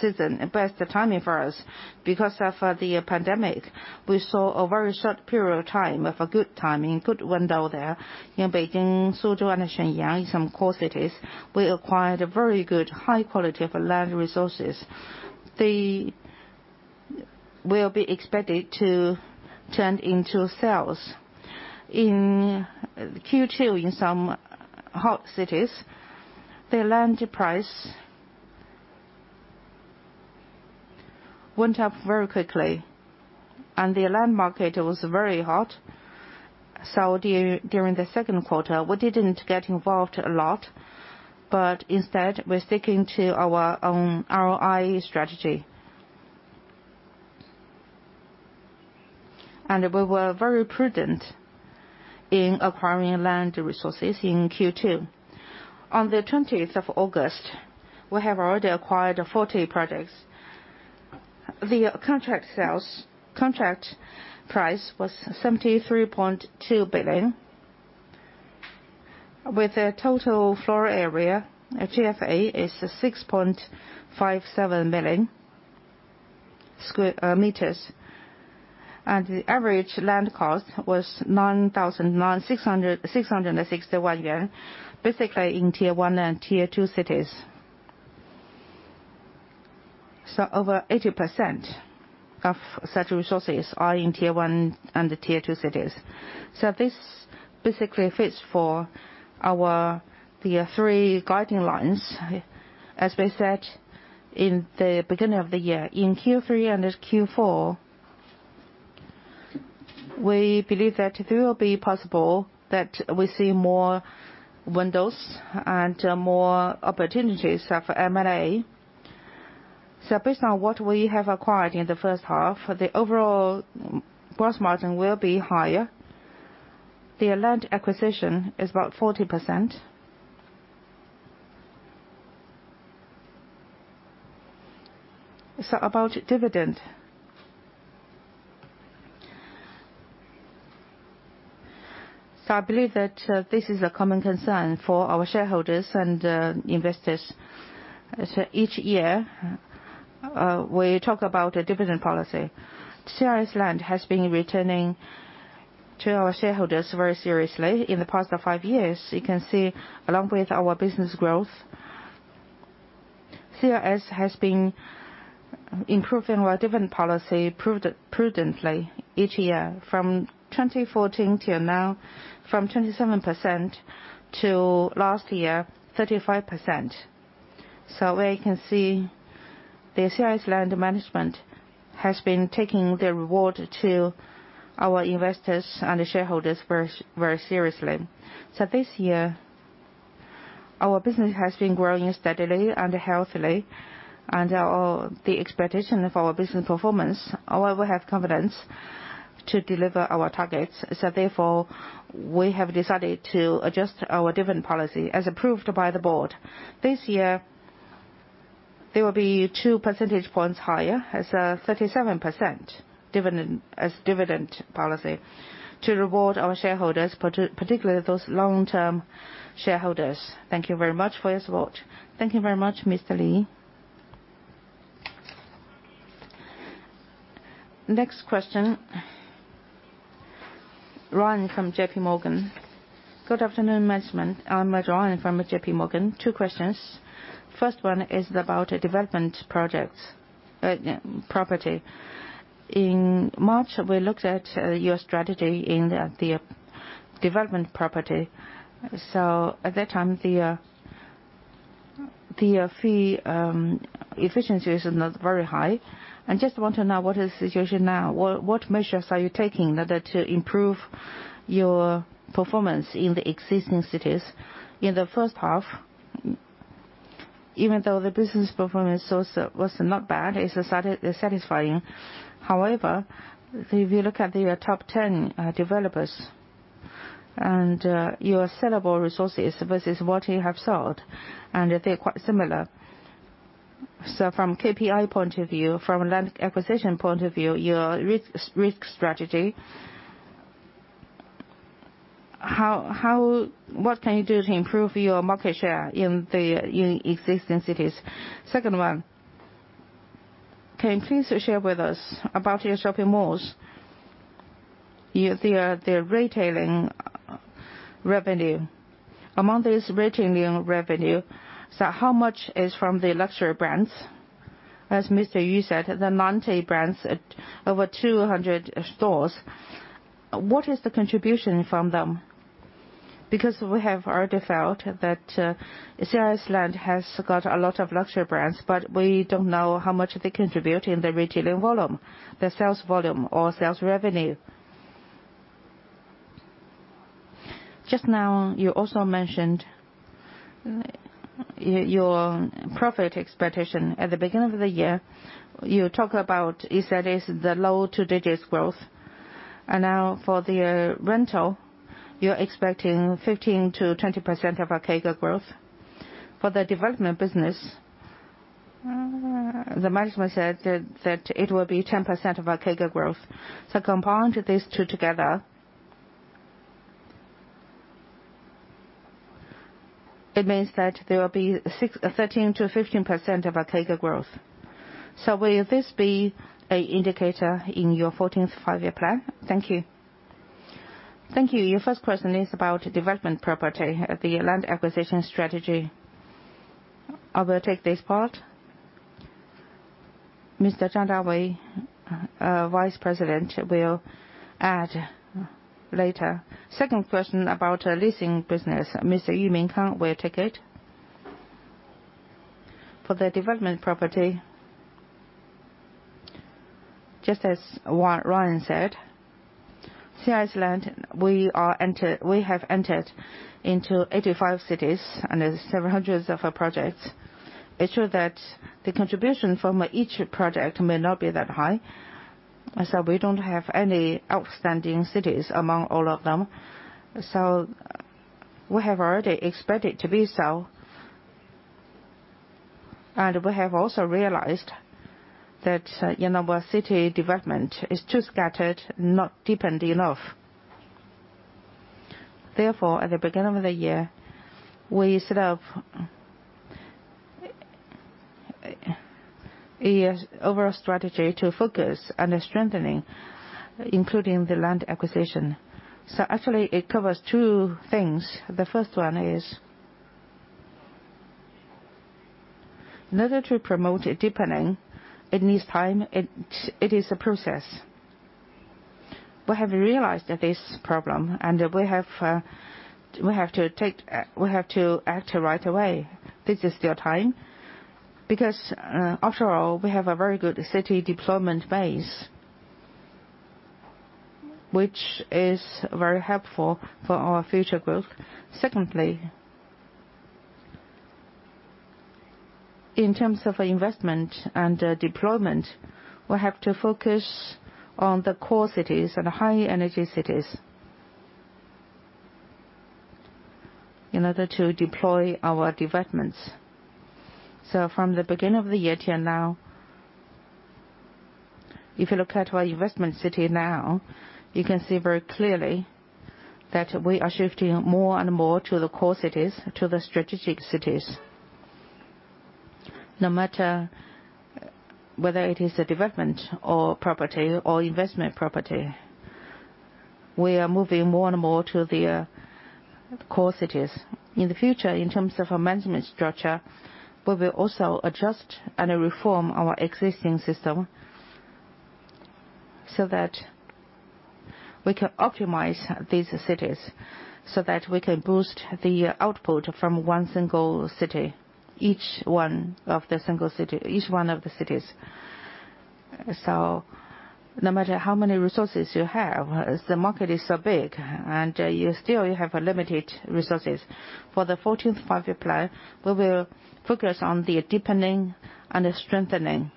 season and best timing for us. Because of the pandemic, we saw a very short period of time of a good timing, good window there in Beijing, Suzhou, and Shenyang in some core cities. We acquired very good, high quality of land resources. They will be expected to turn into sales. In Q2, in some hot cities, the land price went up very quickly, and the land market was very hot. During the second quarter, we didn't get involved a lot. Instead, we're sticking to our own ROI strategy. We were very prudent in acquiring land resources in Q2. On the 20th of August, we have already acquired 40 projects. The contract price was 73.2 billion, with a total floor area, GFA, is 6.57 million sq m. The average land cost was 9,661 yuan, basically in tier one and tier two cities. Over 80% of such resources are in tier one and tier two cities. This basically fits for the three guiding lines, as we said in the beginning of the year. In Q3 and Q4, we believe that it will be possible that we see more windows and more opportunities for M&A. Based on what we have acquired in the first half, the overall gross margin will be higher. The land acquisition is about 40%. About dividend. I believe that this is a common concern for our shareholders and investors. Each year, we talk about a dividend policy. China Resources Land has been returning to our shareholders very seriously in the past five years. You can see along with our business growth, CRS has been improving our dividend policy prudently each year, from 2014 till now, from 27% to last year, 35%. We can see the China Resources Land management has been taking the reward to our investors and shareholders very seriously. This year, our business has been growing steadily and healthily. The expectation of our business performance, however, we have confidence to deliver our targets. Therefore, we have decided to adjust our dividend policy as approved by the board. This year, they will be 2 percentage points higher as a 37% as dividend policy to reward our shareholders, particularly those long-term shareholders. Thank you very much for your support. Thank you very much, Mr. Li. Next question, Ryan from JPMorgan. Good afternoon, management. I'm Ryan from JPMorgan. Two questions. First one is about development projects, property. In March, we looked at your strategy in the development property. At that time, the fee efficiency was not very high. I just want to know what is the situation now? What measures are you taking in order to improve your performance in the existing cities? In the first half, even though the business performance was not bad, it's satisfying. However, if you look at your top 10 developers and your sellable resources versus what you have sold, and they're quite similar. From KPI point of view, from land acquisition point of view, your risk strategy, what can you do to improve your market share in existing cities? Second one, can you please share with us about your shopping malls, their retailing revenue. Among this retailing revenue, how much is from the luxury brands? As Mr. Yu said, the 90 brands at over 200 stores. What is the contribution from them? Because we have already felt that CRS Land has got a lot of luxury brands, but we don't know how much they contribute in the retailing volume, the sales volume, or sales revenue. Just now, you also mentioned your profit expectation. At the beginning of the year, you talked about the low double-digits growth. Now for the rental, you're expecting 15%-20% of CAGR growth. For the development business, the management said that it will be 10% of CAGR growth. Combine these two together, it means that there will be 13%-15% of CAGR growth. Will this be an indicator in your 14th Five-Year Plan? Thank you. Thank you. Your first question is about development property, the land acquisition strategy. I will take this part. Mr. Zhang Dawei, our Vice President, will add later. Second question about leasing business, Mr. Yu Linkang will take it. For the development property, just as Ryan said, CRS Land, we have entered into 85 cities and several hundreds of projects. It's true that the contribution from each project may not be that high, and so we don't have any outstanding cities among all of them. We have already expected it to be so, and we have also realized that our city development is too scattered, not deepened enough. At the beginning of the year, we set up an overall strategy to focus on the strengthening, including the land acquisition. Actually, it covers two things. The first one is, in order to promote a deepening, it needs time, it is a process. We have realized that this is a problem, and we have to act right away. This is the time. After all, we have a very good city deployment base, which is very helpful for our future growth. Secondly, in terms of investment and deployment, we have to focus on the core cities and high energy cities in order to deploy our developments. From the beginning of the year till now, if you look at our investment city now, you can see very clearly that we are shifting more and more to the core cities, to the strategic cities. No matter whether it is a development or property or investment property, we are moving more and more to the core cities. In the future, in terms of our management structure, we will also adjust and reform our existing system so that we can optimize these cities, so that we can boost the output from one single city, each one of the cities. No matter how many resources you have, the market is so big and you still have limited resources. For the 14th Five-Year Plan, we will focus on the deepening and the strengthening.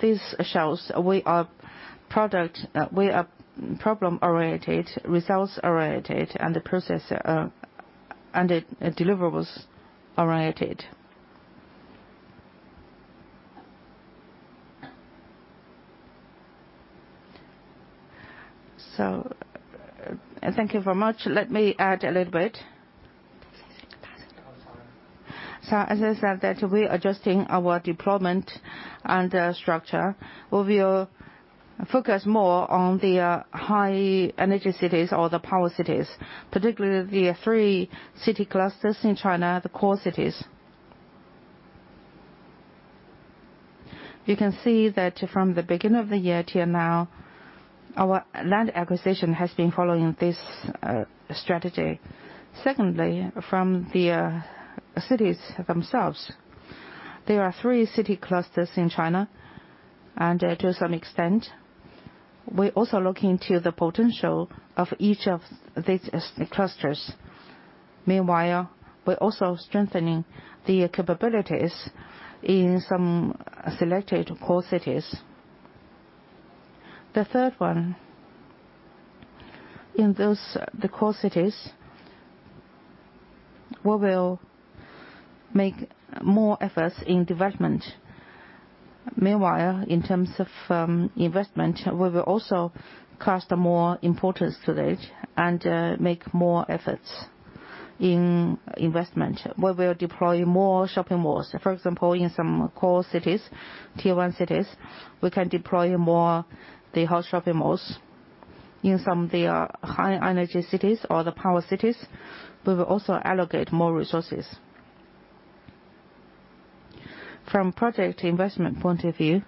This shows we are problem-oriented, results-oriented, and deliverables-oriented. Thank you very much. Let me add a little bit. Sorry. As I said that we are adjusting our deployment and structure. We will focus more on the high-energy cities or the power cities, particularly the three city clusters in China, the core cities. You can see that from the beginning of the year till now, our land acquisition has been following this strategy. Secondly, from the cities themselves, there are three city clusters in China, and to some extent, we're also looking into the potential of each of these clusters. Meanwhile, we're also strengthening the capabilities in some selected core cities. The third one, in the core cities, we will make more efforts in development. In terms of investment, we will also cast more importance to that and make more efforts in investment. We will deploy more shopping malls. For example, in some core cities, tier one cities, we can deploy more MixC shopping malls. In some of the high-energy cities or the power cities, we will also allocate more resources. From project investment point of view,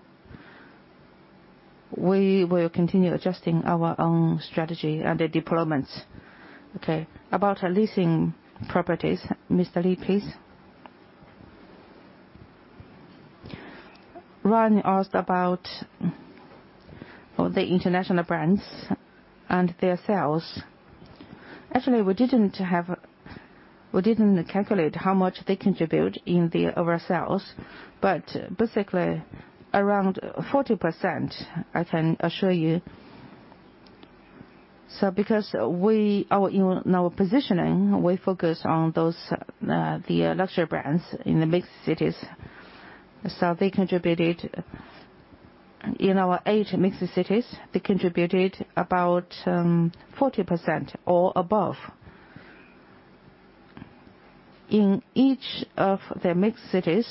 we will continue adjusting our own strategy and the deployments. Okay. About leasing properties, Mr. Li, please. Ryan asked about the international brands and their sales. Actually, we didn't calculate how much they contribute in the overall sales. Basically, around 40%, I can assure you. Because in our positioning, we focus on the luxury brands in the MixC cities. In our eight MixC cities, they contributed about 40% or above. In each of the MixC,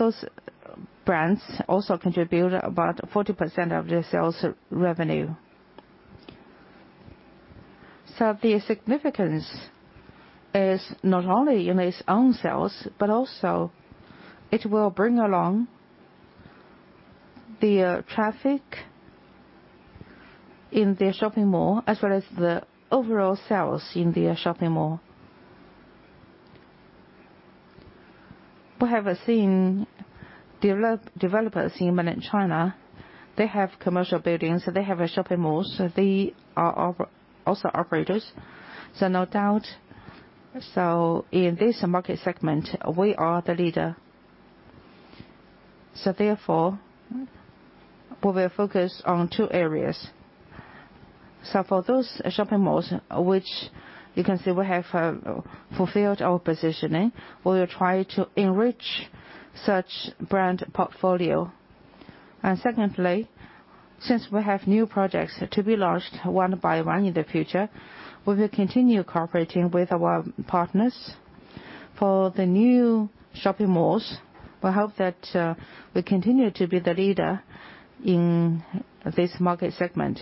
those brands also contribute about 40% of the sales revenue. The significance is not only in its own sales, but also it will bring along the traffic in the shopping mall, as well as the overall sales in the shopping mall. We have seen developers in Mainland China, they have commercial buildings, they have shopping malls, they are also operators, no doubt. In this market segment, we are the leader. Therefore, we will focus on two areas. For those shopping malls, which you can see we have fulfilled our positioning, we will try to enrich such brand portfolio. Secondly, since we have new projects to be launched one by one in the future, we will continue cooperating with our partners for the new shopping malls. We hope that we continue to be the leader in this market segment,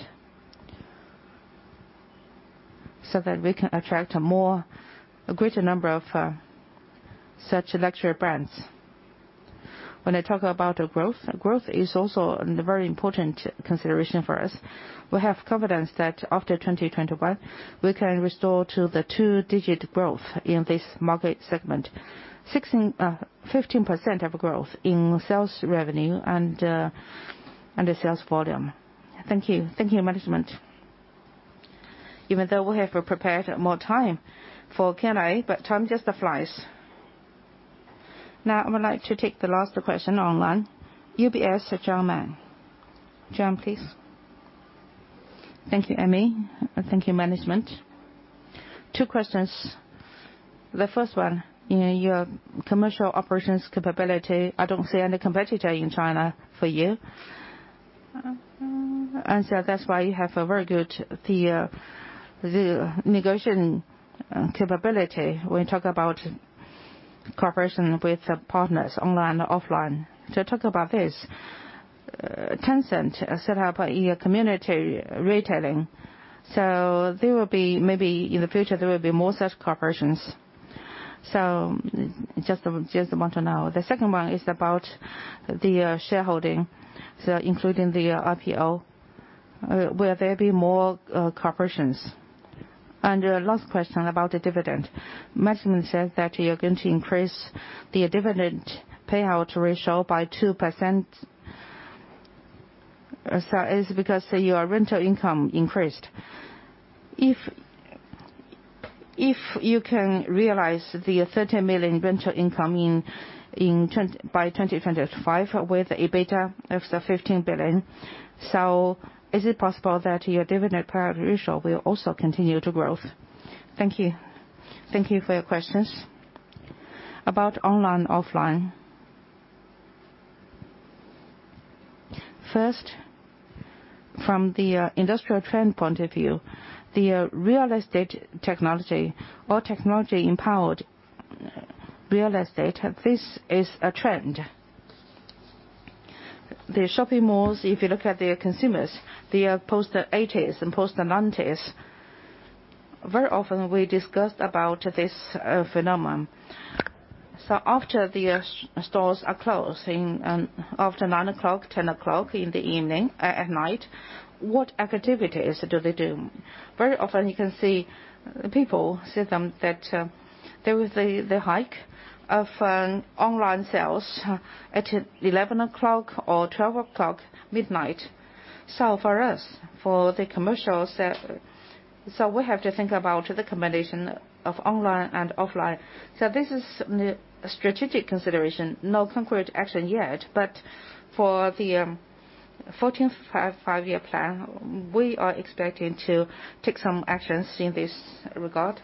so that we can attract a greater number of such luxury brands. When I talk about growth is also a very important consideration for us. We have confidence that after 2021, we can restore to the two-digit growth in this market segment. 15% of growth in sales revenue and the sales volume. Thank you. Thank you, management. Even though we have prepared more time for Q&A, time just flies. I would like to take the last question online. UBS, John Lam. John, please. Thank you, Annie. Thank you, management. Two questions. The first one, in your commercial operations capability, I don't see any competitor in China for you. That's why you have a very good negotiation capability when you talk about cooperation with partners online, offline. Talk about this. Tencent set up an e-community retailing. Maybe in the future, there will be more such corporations. I just want to know. The second one is about the shareholding, including the IPO, will there be more [cooperations]? Last question about the dividend. Management says that you're going to increase the dividend payout ratio by 2%. It is because your rental income increased. If you can realize the 30 million rental income by 2025 with EBITDA of the 15 billion, is it possible that your dividend payout ratio will also continue to growth? Thank you. Thank you for your questions. About online, offline. First, from the industrial trend point of view, the real estate technology or technology-empowered real estate, this is a trend. The shopping malls, if you look at their consumers, they are post the 1980s and post the 1990s. Very often we discussed about this phenomenon. After the stores are closing after 9:00, 10:00 in the evening, at night, what activities do they do? Very often you can see people see them that there was the hike of online sales at 11:00 or 12:00 midnight. For us, for the commercials, so we have to think about the combination of online and offline. This is a strategic consideration, no concrete action yet. For the 14th Five-Year Plan, we are expecting to take some actions in this regard.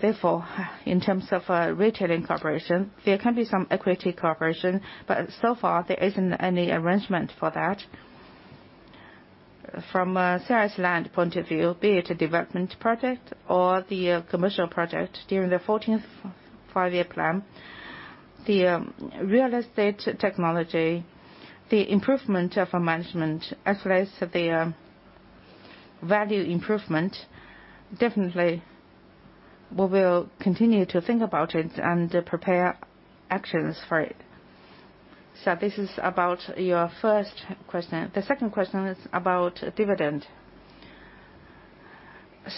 Therefore, in terms of retailing cooperation, there can be some equity cooperation, but so far there isn't any arrangement for that. From a China Resources Land point of view, be it a development project or the commercial project during the 14th Five-Year Plan, the real estate technology, the improvement of management, as well as the value improvement, definitely we will continue to think about it and prepare actions for it. This is about your first question. The second question is about dividend.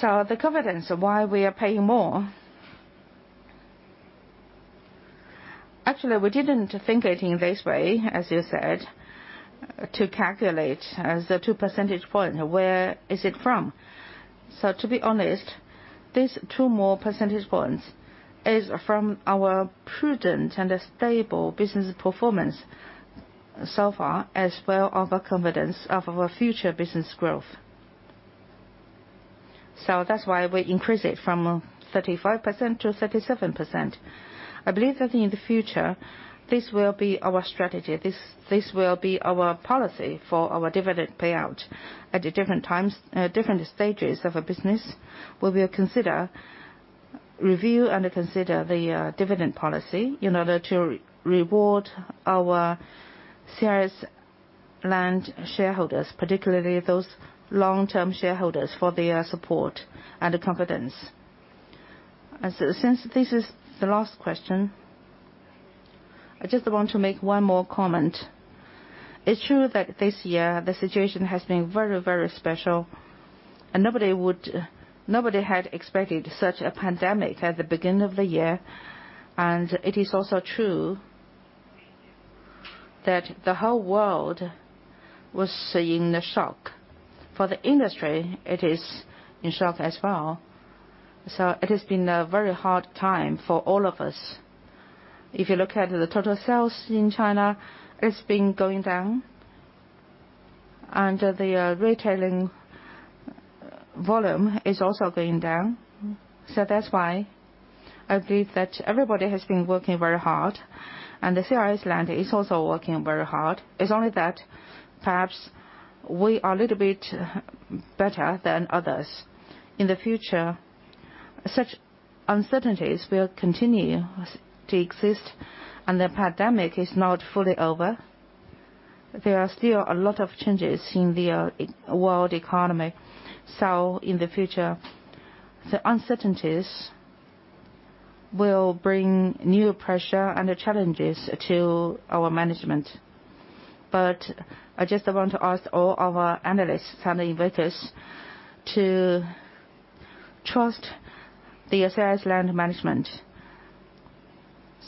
The confidence why we are paying more, actually, we didn't think it in this way, as you said, to calculate the 2 percentage point, where is it from? To be honest, these 2 more percentage points is from our prudent and stable business performance so far, as well as our confidence of our future business growth. That's why we increase it from 35%-37%. I believe that in the future, this will be our strategy. This will be our policy for our dividend payout. At different times, different stages of a business, we will review and consider the dividend policy in order to reward our CRS Land shareholders, particularly those long-term shareholders, for their support and confidence. Since this is the last question, I just want to make one more comment. It's true that this year the situation has been very, very special, and nobody had expected such a pandemic at the beginning of the year. It is also true that the whole world was in shock. For the industry, it is in shock as well. It has been a very hard time for all of us. If you look at the total sales in China, it's been going down, and the retailing volume is also going down. That's why I believe that everybody has been working very hard, and CRS Land is also working very hard. It's only that perhaps we are a little bit better than others. In the future, such uncertainties will continue to exist, and the pandemic is not fully over. There are still a lot of changes in the world economy. In the future, the uncertainties will bring new pressure and challenges to our management. I just want to ask all our analysts and investors to trust the China Resources Land management.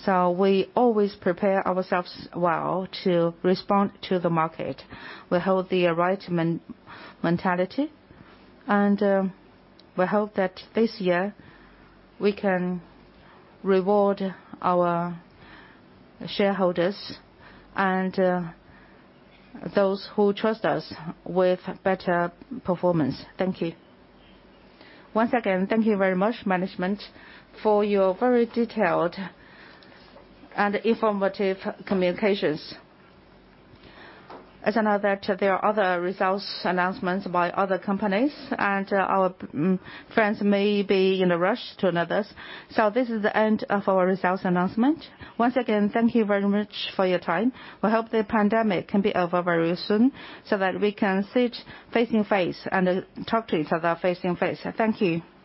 We always prepare ourselves well to respond to the market. We hold the right mentality, and we hope that this year we can reward our shareholders and those who trust us with better performance. Thank you. Once again, thank you very much, management, for your very detailed and informative communications. As I know that there are other results announcements by other companies, and our friends may be in a rush to others. This is the end of our results announcement. Once again, thank you very much for your time. We hope the pandemic can be over very soon, so that we can sit face-to-face and talk to each other face-to-face. Thank you.